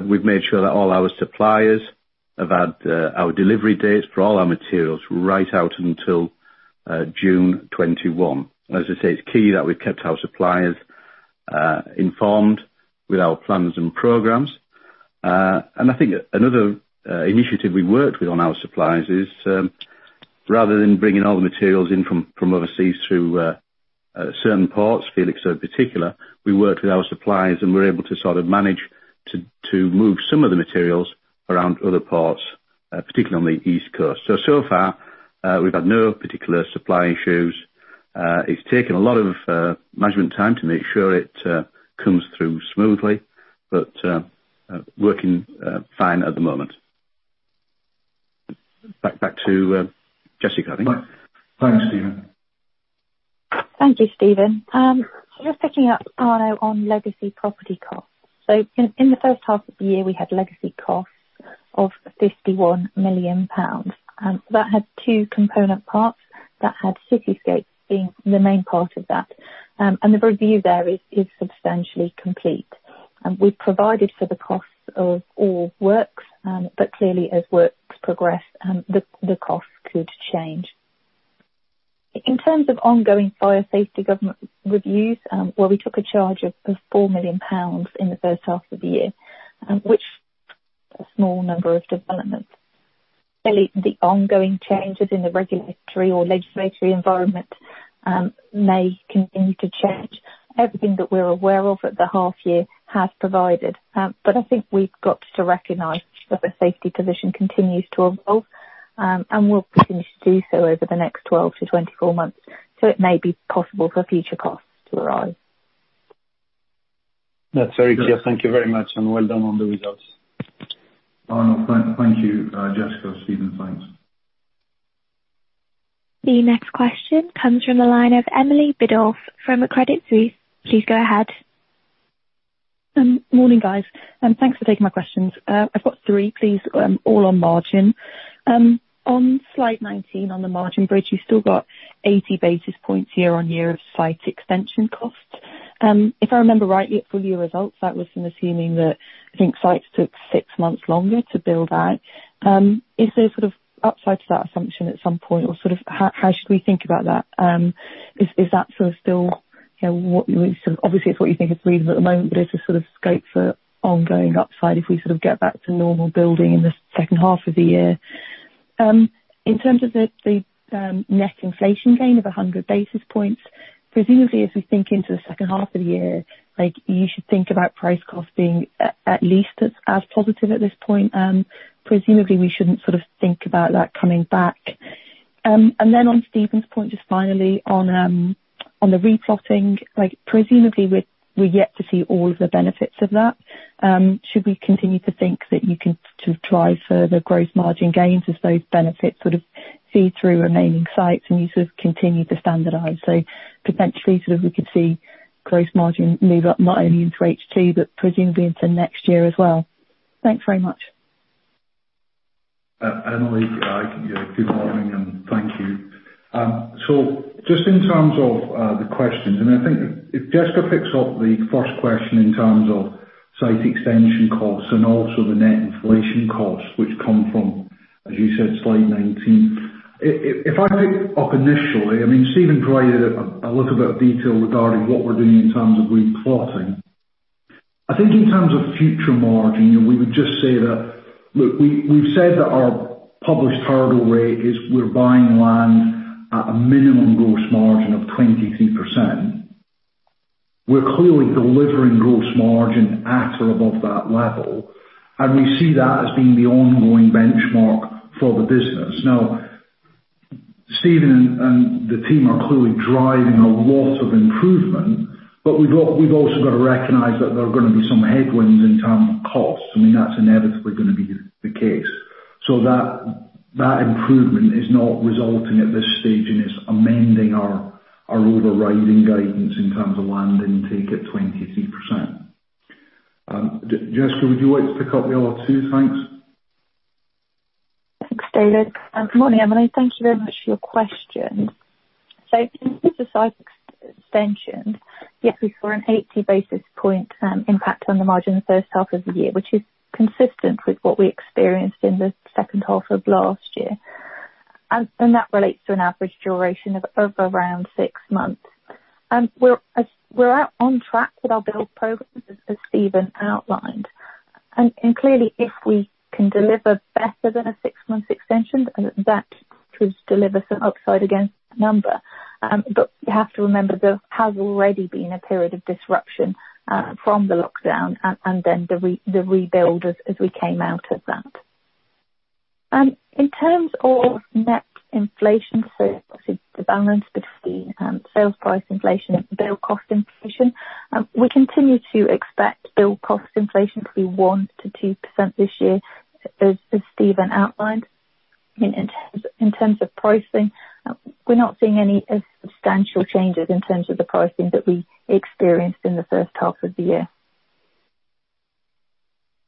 We've made sure that all our suppliers have had our delivery dates for all our materials right out until June 2021. As I say, it's key that we've kept our suppliers informed with our plans and programs. I think another initiative we worked with on our suppliers is, rather than bringing all the materials in from overseas through certain ports, Felixstowe in particular, we worked with our suppliers and were able to sort of manage to move some of the materials around other ports, particularly on the East Coast. Far, we've had no particular supply issues. It's taken a lot of management time to make sure it comes through smoothly, but working fine at the moment. Back to Jessica, I think. Thanks, Steven. Thank you, Steven. Picking up on legacy property costs. In the first half of the year, we had legacy costs of 51 million pounds. That had two component parts, that had Citiscape being the main part of that. The review there is substantially complete. We've provided for the costs of all works, but clearly as works progress, the costs could change. In terms of ongoing fire safety government reviews, well, we took a charge of 4 million pounds in the first half of the year, which a small number of developments. Clearly, the ongoing changes in the regulatory or legislative environment may continue to change. Everything that we're aware of at the half year has provided. I think we've got to recognize that the safety position continues to evolve and will continue to do so over the next 12 months-24 months. It may be possible for future costs to arise. That's very clear. Thank you very much, and well done on the results. Arnaud, thank you, Jessica, Steven, thanks. The next question comes from the line of Emily Biddulph from Credit Suisse. Please go ahead. Morning, guys. Thanks for taking my questions. I've got three, please, all on margin. On slide 19, on the margin bridge, you've still got 80 basis points year-over-year of site extension costs. If I remember rightly from your results, that was from assuming that, I think, sites took six months longer to build out. Is there a sort of upside to that assumption at some point? Or how should we think about that? Is that sort of still what you think is reasonable at the moment, but is there sort of scope for ongoing upside if we sort of get back to normal building in the second half of the year? In terms of the net inflation gain of 100 basis points, presumably as we think into the second half of the year, like you should think about price cost being at least as positive at this point. Presumably we shouldn't sort of think about that coming back. On Steven's point, just finally on the re-plotting, like presumably we're yet to see all of the benefits of that. Should we continue to think that you can drive further gross margin gains as those benefits sort of feed through remaining sites and you sort of continue to standardize? Potentially, we could see gross margin move up not only into H2 but presumably into next year as well. Thanks very much. Emily, good morning, and thank you. Just in terms of the questions, and I think if Jessica picks up the first question in terms of site extension costs and also the net inflation costs which come from, as you said, slide 19. If I pick up initially, I mean, Steven provided a little bit of detail regarding what we're doing in terms of re-plotting. I think in terms of future margin, we would just say that, look, we've said that our published hurdle rate is we're buying land at a minimum gross margin of 23%. We're clearly delivering gross margin at or above that level, and we see that as being the ongoing benchmark for the business. Steven and the team are clearly driving a lot of improvement, but we've also got to recognize that there are going to be some headwinds in terms of costs. That's inevitably going to be the case. That improvement is not resulting at this stage in us amending our overriding guidance in terms of landing intake at 23%. Jessica, would you like to pick up the other two? Thanks. Thanks, David. Good morning, Emily. Thank you very much for your question. In terms of site extension, yes, we saw an 80 basis point impact on the margin in the first half of the year, which is consistent with what we experienced in the second half of last year. That relates to an average duration of around six months. We're on track with our build program, as Steven outlined. Clearly, if we can deliver better than a six-month extension, that could deliver some upside against that number. You have to remember, there has already been a period of disruption from the lockdown and then the rebuild as we came out of that. In terms of net inflation, so the balance between sales price inflation and build cost inflation, we continue to expect build cost inflation to be 1%-2% this year, as Steven outlined. In terms of pricing, we're not seeing any substantial changes in terms of the pricing that we experienced in the first half of the year.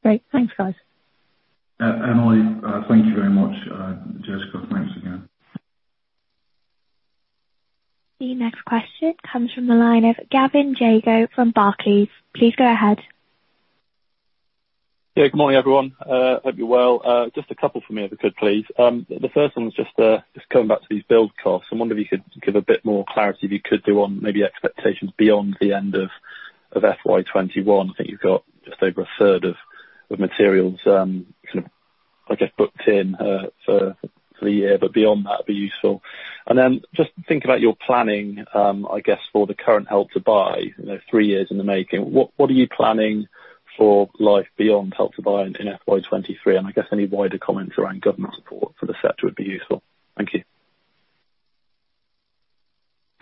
Great. Thanks, guys. Emily, thank you very much. Jessica, thanks again. The next question comes from the line of Gavin Jago from Barclays. Please go ahead. Yeah. Good morning, everyone. Hope you're well. Just a couple from me, if I could, please. The first one was just coming back to these build costs. I wonder if you could give a bit more clarity, if you could do on maybe expectations beyond the end of FY 2021. I think you've got just over a third of materials, I guess, booked in for the year. Beyond that, would be useful. Just thinking about your planning, I guess, for the current Help to Buy, three years in the making. What are you planning for life beyond Help to Buy in FY 2023? I guess any wider comments around government support for the sector would be useful. Thank you.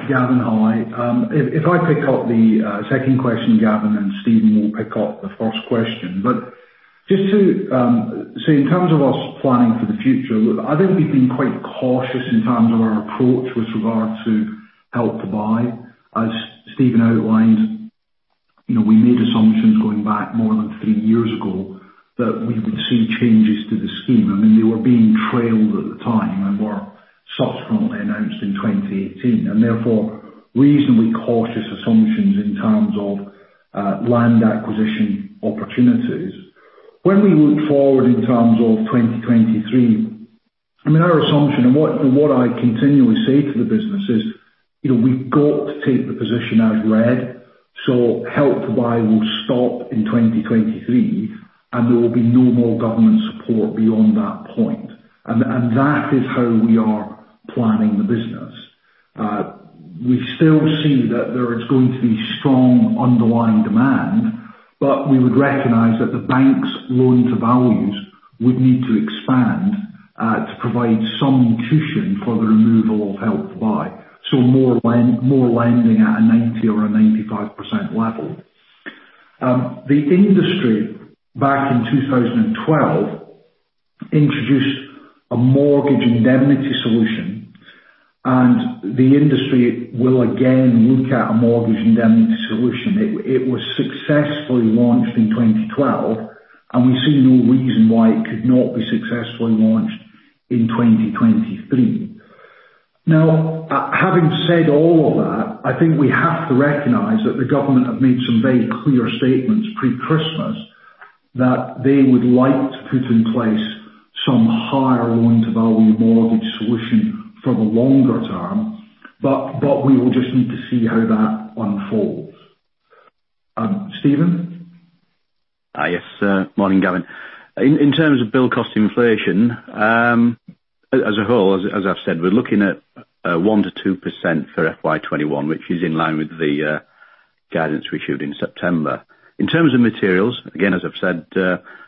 Gavin, hi. If I pick up the second question, Gavin, and Steven will pick up the first question. Just to say, in terms of us planning for the future, I think we've been quite cautious in terms of our approach with regard to Help to Buy. As Steven outlined, we made assumptions going back more than three years ago that we would see changes to the scheme. They were being trailed at the time and were subsequently announced in 2018, and therefore reasonably cautious assumptions in terms of land acquisition opportunities. When we look forward in terms of 2023, our assumption and what I continually say to the business is, we've got to take the position as read. Help to Buy will stop in 2023, and there will be no more government support beyond that point. That is how we are planning the business. We still see that there is going to be strong underlying demand, but we would recognize that the bank's loan-to-values would need to expand to provide some cushion for the removal of Help to Buy. More lending at a 90% or a 95% level. The industry, back in 2012, introduced a mortgage indemnity solution, and the industry will again look at a mortgage indemnity solution. It was successfully launched in 2012, and we see no reason why it could not be successfully launched in 2023. Now, having said all of that, I think we have to recognize that the government have made some very clear statements pre-Christmas that they would like to put in place some higher loan-to-value mortgage solution for the longer term. We will just need to see how that unfolds. Steven? Yes. Morning, Gavin. In terms of build cost inflation, as a whole, as I've said, we're looking at 1%-2% for FY 2021, which is in line with the guidance we issued in September. In terms of materials, again, as I've said,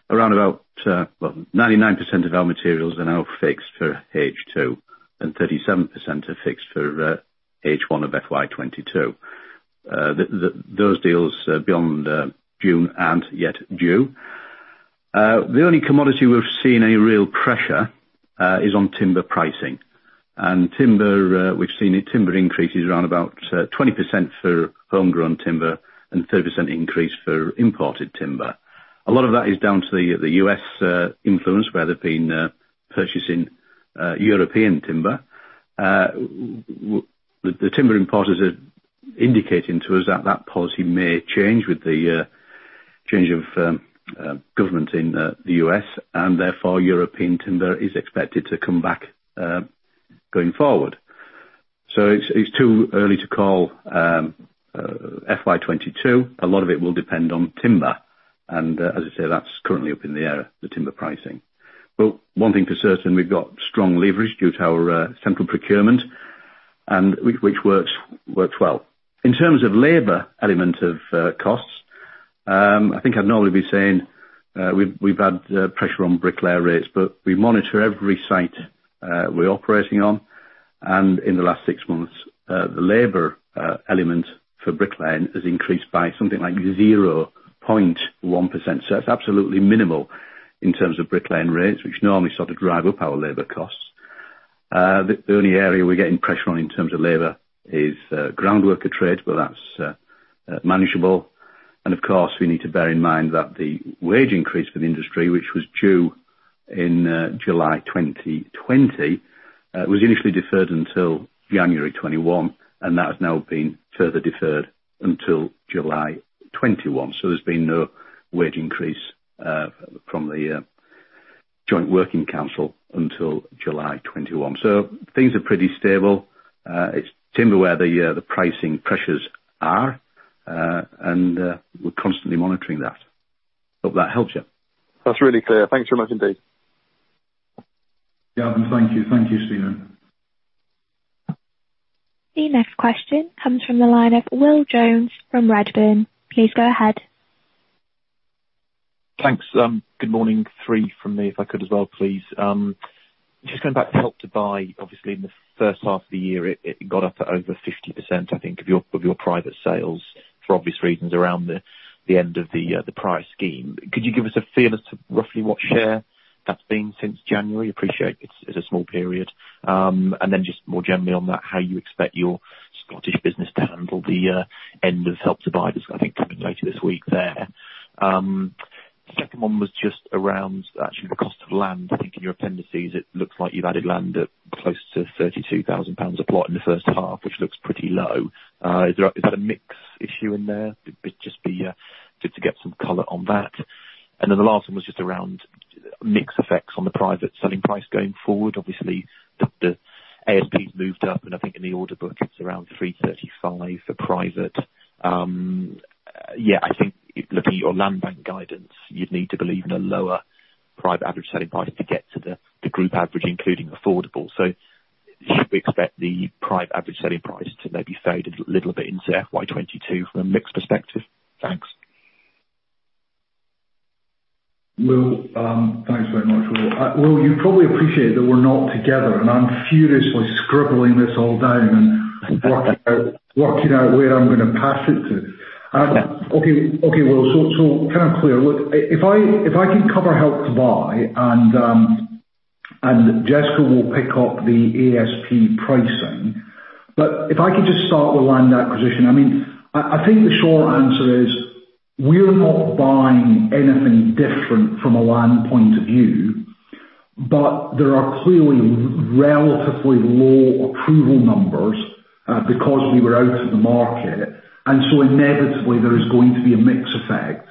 around about 99% of our materials are now fixed for H2, and 37% are fixed for H1 of FY 2022. Those deals beyond June aren't yet due. The only commodity we've seen a real pressure is on timber pricing. Timber, we've seen timber increases around about 20% for homegrown timber and 30% increase for imported timber. A lot of that is down to the U.S. influence, where they've been purchasing European timber. The timber importers are indicating to us that that policy may change with the change of government in the U.S., therefore European timber is expected to come back going forward. It's too early to call FY 2022. A lot of it will depend on timber, and as I say, that's currently up in the air, the timber pricing. Well, one thing for certain, we've got strong leverage due to our central procurement, which works well. In terms of labor element of costs, I think I'd normally be saying we've had pressure on bricklayer rates, but we monitor every site we're operating on. In the last six months, the labor element for bricklaying has increased by something like 0.1%. It's absolutely minimal in terms of bricklaying rates, which normally sort of drive up our labor costs. The only area we're getting pressure on in terms of labor is groundworker trade, but that's manageable. Of course, we need to bear in mind that the wage increase for the industry, which was due in July 2020, was initially deferred until January 2021, and that has now been further deferred until July 2021. There's been no wage increase from the Joint Working Council until July 2021. Things are pretty stable. It's timber where the pricing pressures are, and we're constantly monitoring that. Hope that helps you. That's really clear. Thanks very much indeed. Gavin, thank you. Thank you, Steven. The next question comes from the line of Will Jones from Redburn. Please go ahead. Thanks. Good morning. Three from me if I could as well, please. Just going back to Help to Buy, obviously, in the first half of the year, it got up to over 50%, I think, of your private sales for obvious reasons around the end of the phase scheme. Could you give us a feel as to roughly what share that's been since January? Appreciate it's a small period. Just more generally on that, how you expect your Scottish business to handle the end of Help to Buy that's, I think, coming later this week there. Second one was just around actually the cost of land. I think in your appendices it looks like you've added land at close to 32,000 pounds a plot in the first half, which looks pretty low. Is there a mix issue in there? It'd just be good to get some color on that. The last one was just around mix effects on the private selling price going forward. Obviously, the ASPs moved up and I think in the order book it is around 335 for private. I think looking at your land bank guidance, you would need to believe in a lower private average selling price to get to the group average, including affordable. Should we expect the private average selling price to maybe fade a little bit into FY 2022 from a mix perspective? Thanks. Will, thanks very much, Will. Will, you probably appreciate that we're not together, and I'm furiously scribbling this all down working out where I'm going to pass it to. Okay. Okay, Will. Kind of clear. Look, if I could cover Help to Buy, and Jessica will pick up the ASP pricing, but if I could just start with land acquisition. I think the short answer is we are not buying anything different from a land point of view, but there are clearly relatively low approval numbers because we were out of the market, and so inevitably there is going to be a mix effect.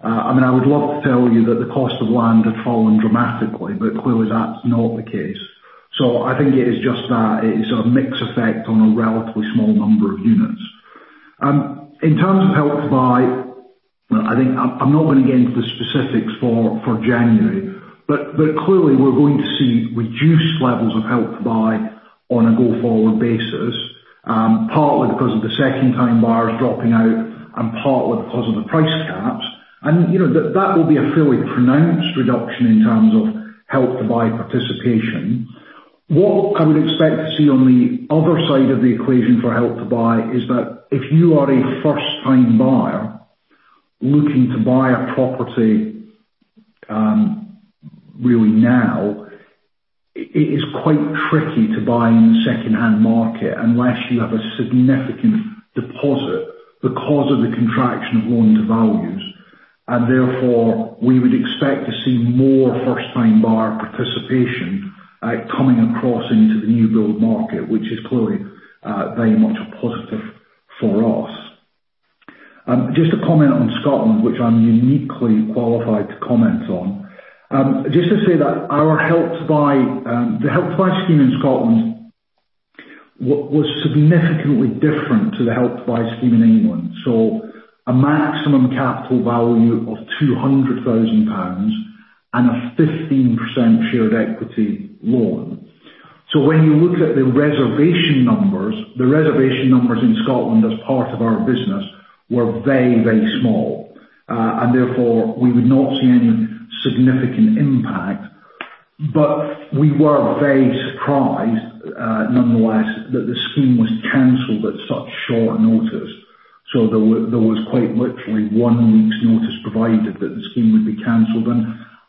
I would love to tell you that the cost of land had fallen dramatically, but clearly that is not the case. I think it is just that, it is a mix effect on a relatively small number of units. In terms of Help to Buy, I'm not going to get into the specifics for January, but clearly we're going to see reduced levels of Help to Buy on a go-forward basis, partly because of the second-time buyers dropping out and partly because of the price caps. That will be a fairly pronounced reduction in terms of Help to Buy participation. What I would expect to see on the other side of the equation for Help to Buy is that if you are a first-time buyer looking to buy a property really now, it is quite tricky to buy in the secondhand market unless you have a significant deposit because of the contraction of loan-to-values. Therefore, we would expect to see more first-time buyer participation coming across into the new build market, which is clearly very much a positive for us. Just to comment on Scotland, which I'm uniquely qualified to comment on. Just to say that the Help to Buy scheme in Scotland was significantly different to the Help to Buy scheme in England. A maximum capital value of 200,000 pounds and a 15% shared equity loan. When you look at the reservation numbers, the reservation numbers in Scotland as part of our business were very, very small. Therefore, we would not see any significant impact. We were very surprised, nonetheless, that the scheme was canceled at such short notice. There was quite literally one week's notice provided that the scheme would be canceled.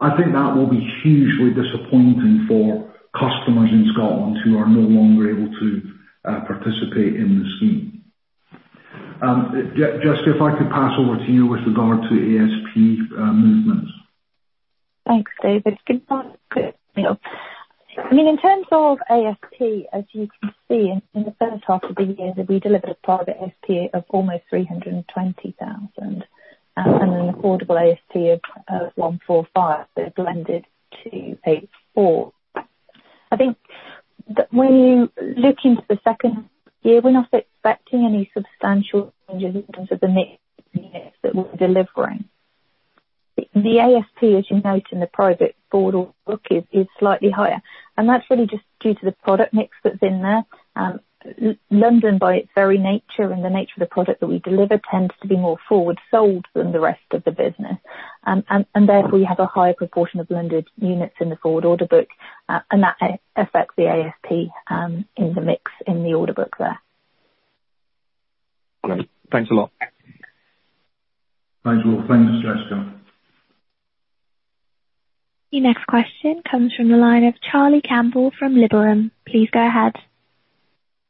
I think that will be hugely disappointing for customers in Scotland who are no longer able to participate in the scheme. Jess, if I could pass over to you with regard to ASP movements. Thanks, David. Good morning, Will. I mean, in terms of ASP, as you can see, in the first half of the year, we delivered a private ASP of almost 320,000, and an affordable ASP of 145,000 that blended to 84,000. I think that when you look into the second year, we're not expecting any substantial changes in terms of the mix that we're delivering. The ASP, as you note in the private order book, is slightly higher. That's really just due to the product mix that's in there. London, by its very nature, and the nature of the product that we deliver tends to be more forward-sold than the rest of the business. Therefore, we have a higher proportion of blended units in the forward order book, and that affects the ASP in the mix in the order book there. Great. Thanks a lot. Thanks, Will. Thanks, Jessica. The next question comes from the line of Charlie Campbell from Liberum. Please go ahead.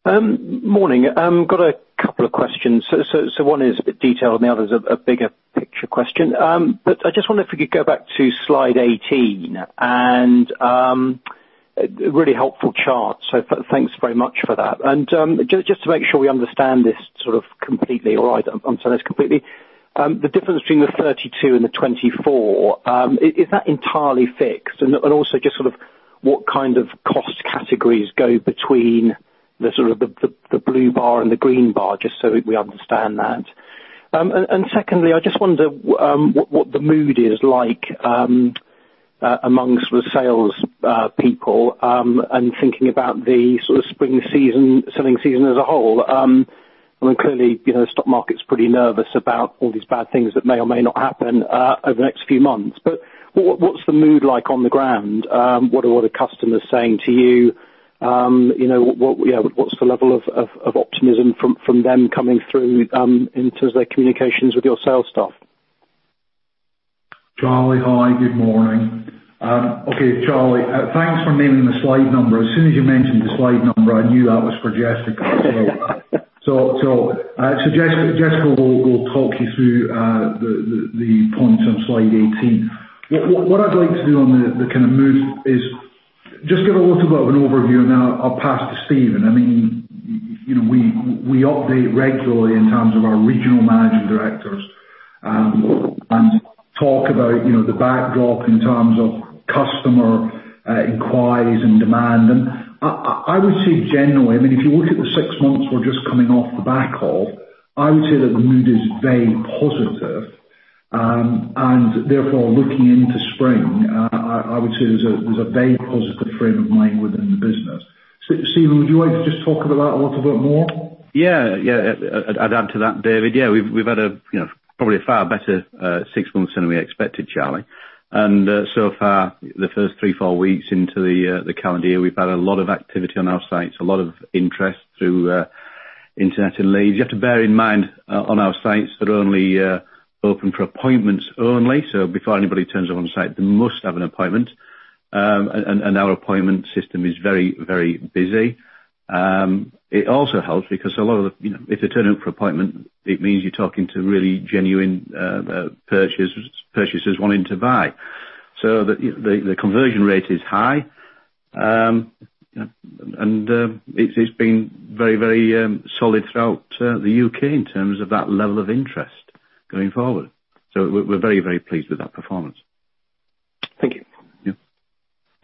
Morning. Got a couple of questions. One is a bit detailed, and the other is a bigger picture question. I just wonder if we could go back to slide 18 and a really helpful chart. Thanks very much for that. Just to make sure we understand this sort of completely, or I don't understand this completely. The difference between the 32% and the 24%, is that entirely fixed? Also just sort of what kind of cost categories go between the sort of the blue bar and the green bar, just so we understand that. Secondly, I just wonder what the mood is like amongst the sales people and thinking about the sort of spring season, selling season as a whole. I mean, clearly, the stock market's pretty nervous about all these bad things that may or may not happen over the next few months. What's the mood like on the ground? What are the customers saying to you? What's the level of optimism from them coming through in terms of their communications with your sales staff? Charlie, hi, good morning. Charlie, thanks for naming the slide number. As soon as you mentioned the slide number, I knew that was for Jessica. Jessica will talk you through the points on slide 18. What I'd like to do on the kind of mood is just give a little bit of an overview, and then I'll pass to Steven. I mean, we update regularly in terms of our regional managing directors and talk about the backdrop in terms of customer inquiries and demand. I would say generally, I mean, if you look at the six months we're just coming off the back of, I would say that the mood is very positive. Therefore, looking into spring, I would say there's a very positive frame of mind within the business. Steven, would you like to just talk about that a little bit more? I'd add to that, David. We've had probably a far better six months than we expected, Charlie. So far, the first three, four weeks into the calendar year, we've had a lot of activity on our sites, a lot of interest through internet and leads. You have to bear in mind, on our sites they're only open for appointments only. Before anybody turns up on-site, they must have an appointment. Our appointment system is very busy. It also helps because if they turn up for appointment, it means you're talking to really genuine purchasers wanting to buy. The conversion rate is high. It's been very solid throughout the U.K. in terms of that level of interest going forward. We're very pleased with that performance. Thank you.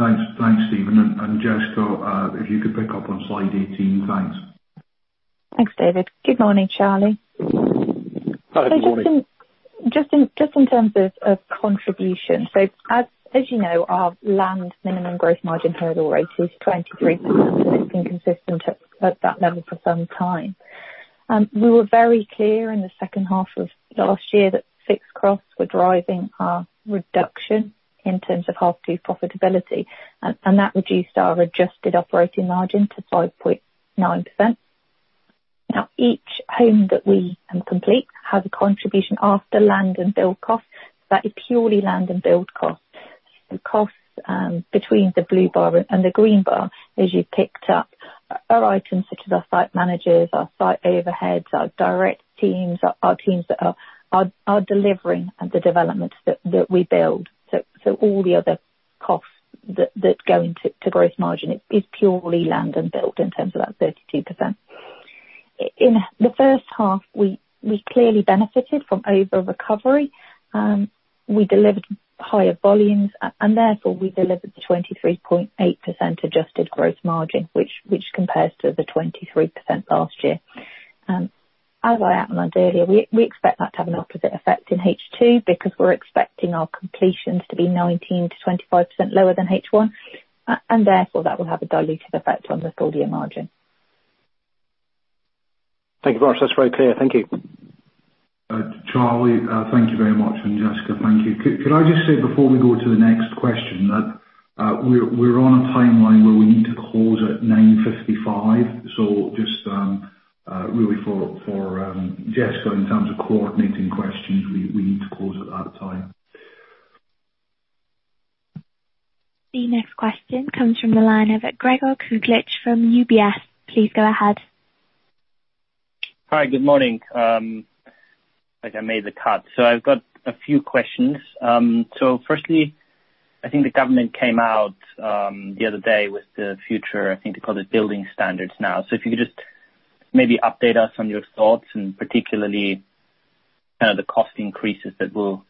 Yeah. Thanks, Steven. Jessica, if you could pick up on slide 18. Thanks. Thanks, David. Good morning, Charlie. Hi. Good morning. Just in terms of contribution. As you know, our land minimum gross margin hurdle rate is 23%. It's been consistent at that level for some time. We were very clear in the second half of last year that fixed costs were driving our reduction in terms of half two profitability, and that reduced our adjusted operating margin to 5.9%. Now, each home that we complete has a contribution after land and build cost. That is purely land and build cost. The cost between the blue bar and the green bar, as you picked up, are items such as our site managers, our site overheads, our direct teams, our teams that are delivering the developments that we build. All the other costs that go into gross margin is purely land and build in terms of that 32%. In the first half, we clearly benefited from over recovery. We delivered higher volumes. Therefore, we delivered 23.8% adjusted gross margin, which compares to the 23% last year. As I outlined earlier, we expect that to have an opposite effect in H2 because we're expecting our completions to be 19%-25% lower than H1. Therefore, that will have a diluted effect on the full-year margin. Thank you for that. That's very clear. Thank you. Charlie, thank you very much. Jessica, thank you. Could I just say before we go to the next question that we're on a timeline where we need to close at 9:55 A.M. Just really for Jessica, in terms of coordinating questions, we need to close at that time. The next question comes from the line of Gregor Kuglitsch from UBS. Please go ahead. Hi. Good morning. Like I made the cut. I've got a few questions. Firstly, I think the government came out the other day with the future, I think they call it building standards now. If you could just maybe update us on your thoughts and particularly the cost increases that will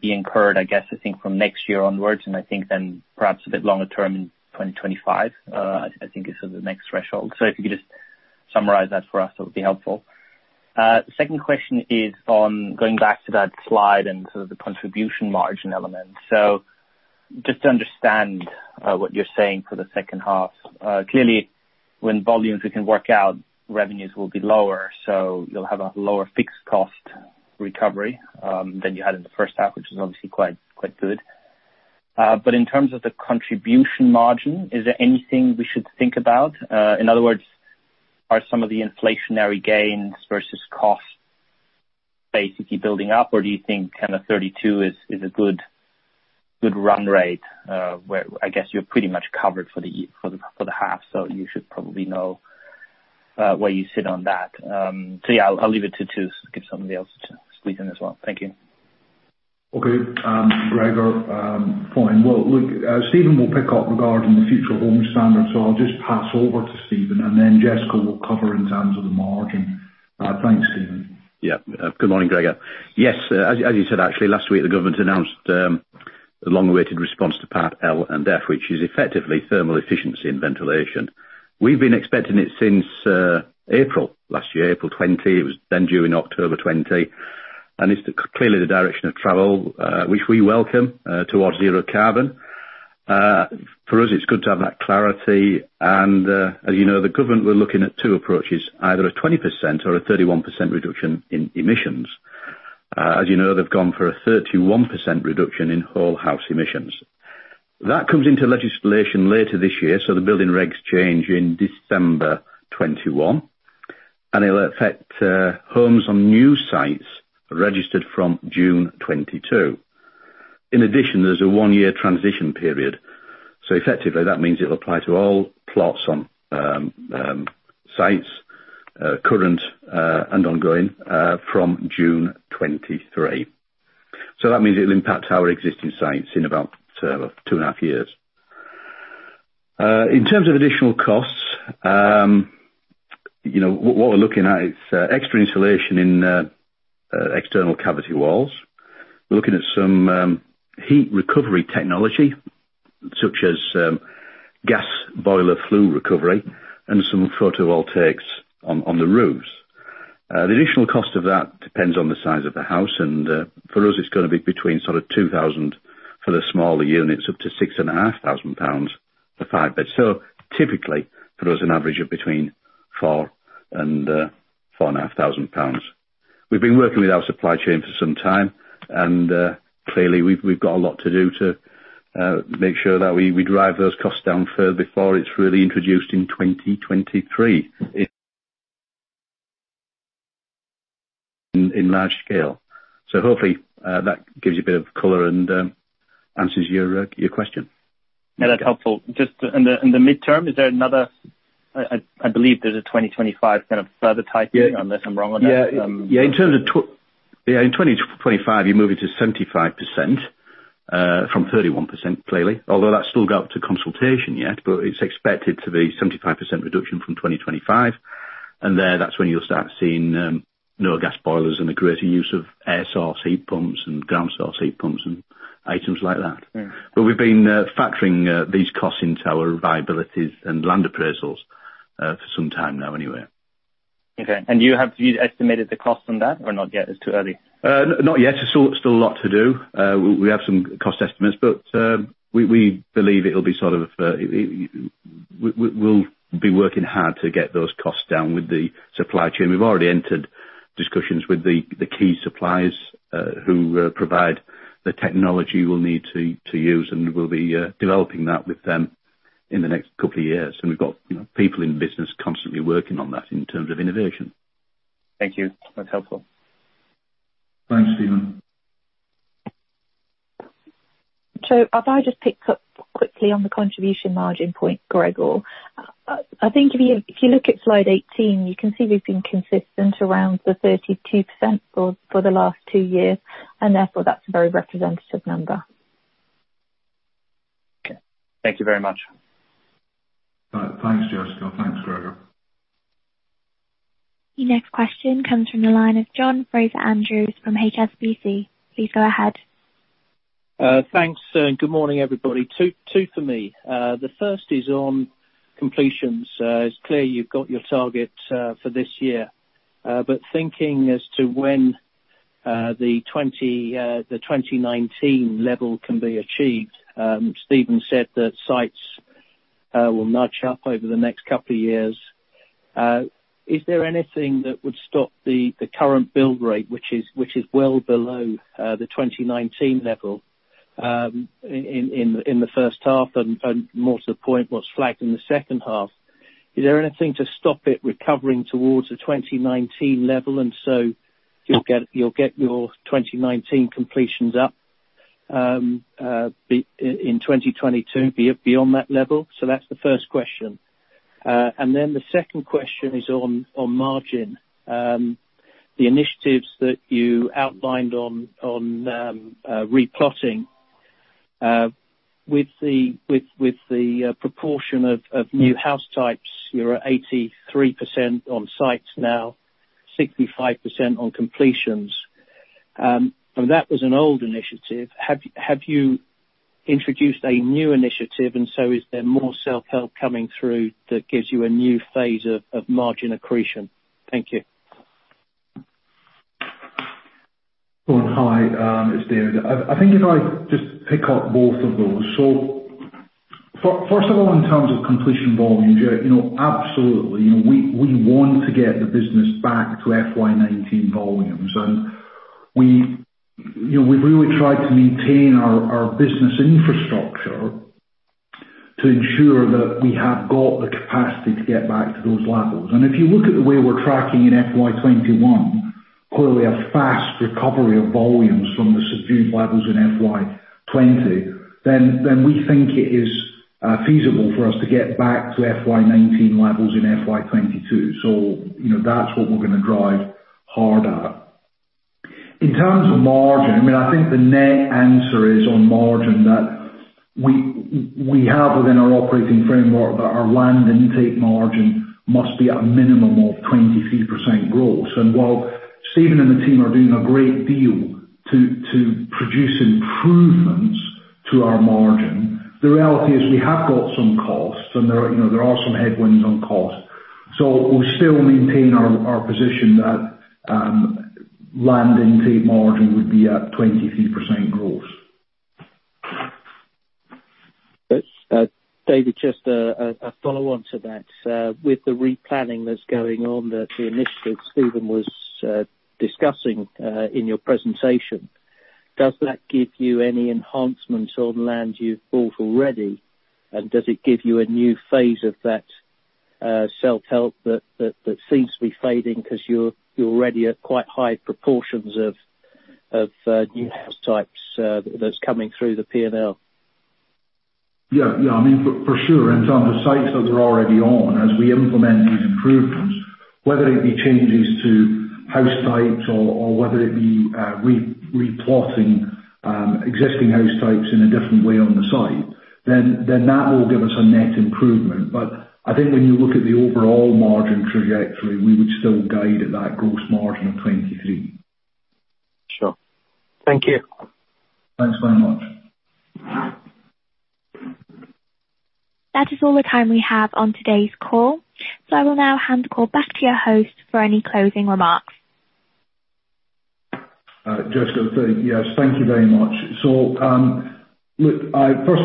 be incurred, I guess, I think from next year onwards, and I think then perhaps a bit longer term in 2025. I think it's the next threshold. If you could just summarize that for us, that would be helpful. Second question is on going back to that slide and the contribution margin element. Just to understand what you're saying for the second half. Clearly, when volumes we can work out, revenues will be lower, so you'll have a lower fixed cost recovery, than you had in the first half, which is obviously quite good. in terms of the contribution margin, is there anything we should think about? In other words, are some of the inflationary gains versus costs basically building up, or do you think 32% is a good run rate? Where I guess you're pretty much covered for the half, so you should probably know where you sit on that. yeah, I'll leave it to two, get somebody else to squeeze in as well. Thank you. Okay. Gregor, fine. Well, look, Steven will pick up regarding the future home standard, so I'll just pass over to Steven, and then Jessica will cover in terms of the margin. Thanks, Steven. Yeah. Good morning, Gregor. Yes, as you said, actually, last week, the government announced the long-awaited response to Part L and F, which is effectively thermal efficiency and ventilation. We've been expecting it since April last year. April 2020. It was then due in October 2020, and it's clearly the direction of travel, which we welcome, towards zero carbon. For us, it's good to have that clarity. As you know, the government were looking at two approaches, either a 20% or a 31% reduction in emissions. As you know, they've gone for a 31% reduction in whole house emissions. That comes into legislation later this year, so the building regs change in December 2021, and it'll affect homes on new sites registered from June 2022. In addition, there's a one-year transition period. Effectively, that means it'll apply to all plots on sites, current and ongoing, from June 2023. That means it'll impact our existing sites in about two and a half years. In terms of additional costs, what we're looking at is extra insulation in external cavity walls. We're looking at some heat recovery technology, such as gas boiler flue recovery and some photovoltaics on the roofs. The additional cost of that depends on the size of the house, and for us, it's going to be between 2,000 for the smaller units, up to 6,500 pounds for five bed. Typically, for us, an average of between 4,000 and 4,500 pounds. We've been working with our supply chain for some time, and clearly we've got a lot to do to make sure that we drive those costs down further before it's really introduced in 2023 in large scale. Hopefully, that gives you a bit of color and answers your question. Yeah, that's helpful. Just in the midterm, I believe there's a 2025 further tightening unless I'm wrong on that. Yeah. In 2025, you're moving to 75%, from 31% clearly, although that's still go out to consultation yet. It's expected to be 75% reduction from 2025. There, that's when you'll start seeing no gas boilers and a greater use of air source heat pumps and ground source heat pumps and items like that. Yeah. We've been factoring these costs into our viabilities and land appraisals for some time now anyway. Okay. you have estimated the cost on that or not yet? It's too early. Not yet. Still a lot to do. We have some cost estimates, but we believe we'll be working hard to get those costs down with the supply chain. We've already entered discussions with the key suppliers who provide the technology we'll need to use, and we'll be developing that with them in the next couple of years. we've got people in the business constantly working on that in terms of innovation. Thank you. That's helpful. Thanks, Steven. if I just pick up quickly on the contribution margin point, Gregor. I think if you look at slide 18, you can see we've been consistent around the 32% for the last two years, and therefore that's a very representative number. Okay. Thank you very much. Thanks, Jessica. Thanks, Gregor. Your next question comes from the line of John Fraser-Andrews from HSBC. Please go ahead. Thanks, sir, and good morning, everybody. Two for me. The first is on completions. It's clear you've got your target for this year. Thinking as to when the 2019 level can be achieved. Steven said that sites will nudge up over the next couple of years. Is there anything that would stop the current build rate, which is well below the 2019 level, in the first half and more to the point, what's flagged in the second half. Is there anything to stop it recovering towards the 2019 level, and so you'll get your 2019 completions up in 2022 beyond that level? That's the first question. Then the second question is on margin. The initiatives that you outlined on re-plotting. With the proportion of new house types, you're at 83% on sites now, 65% on completions. That was an old initiative. Have you introduced a new initiative, and so is there more self-help coming through that gives you a new phase of margin accretion? Thank you. Oh, hi. It's David. I think if I just pick up both of those. First of all, in terms of completion volumes, absolutely. We've really tried to maintain our business infrastructure to ensure that we have got the capacity to get back to those levels. If you look at the way we're tracking in FY 2021, clearly a fast recovery of volumes from the subdued levels in FY 2020, then we think it is feasible for us to get back to FY 2019 levels in FY 2022. That's what we're going to drive hard at. In terms of margin, I think the net answer is on margin that we have within our operating framework that our land intake margin must be at a minimum of 23% gross. While Steven and the team are doing a great deal to produce improvements to our margin, the reality is we have got some costs, and there are some headwinds on costs. We still maintain our position that land intake margin would be at 23% gross. David, just a follow-on to that. With the replanning that's going on, the initiative Steven was discussing in your presentation, does that give you any enhancements on land you've bought already? Does it give you a new phase of that self-help that seems to be fading because you're already at quite high proportions of new house types that's coming through the P&L? Yeah. For sure. Some of the sites that we're already on, as we implement these improvements, whether it be changes to house types or whether it be replotting existing house types in a different way on the site, then that will give us a net improvement. I think when you look at the overall margin trajectory, we would still guide at that gross margin of 23%. Sure. Thank you. Thanks very much. That is all the time we have on today's call. I will now hand the call back to your host for any closing remarks. Jessica, yes, thank you very much. First of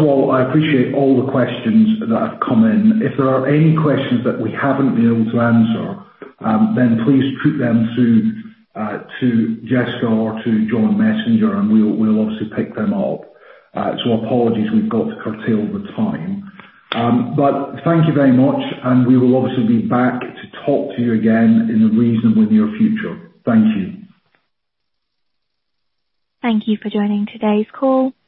all, I appreciate all the questions that have come in. If there are any questions that we haven't been able to answer, then please put them to Jessica or to John Messenger, and we'll obviously pick them up. Apologies we've got to curtail the time. Thank you very much, and we will obviously be back to talk to you again in the reasonably near future. Thank you. Thank you for joining today's call.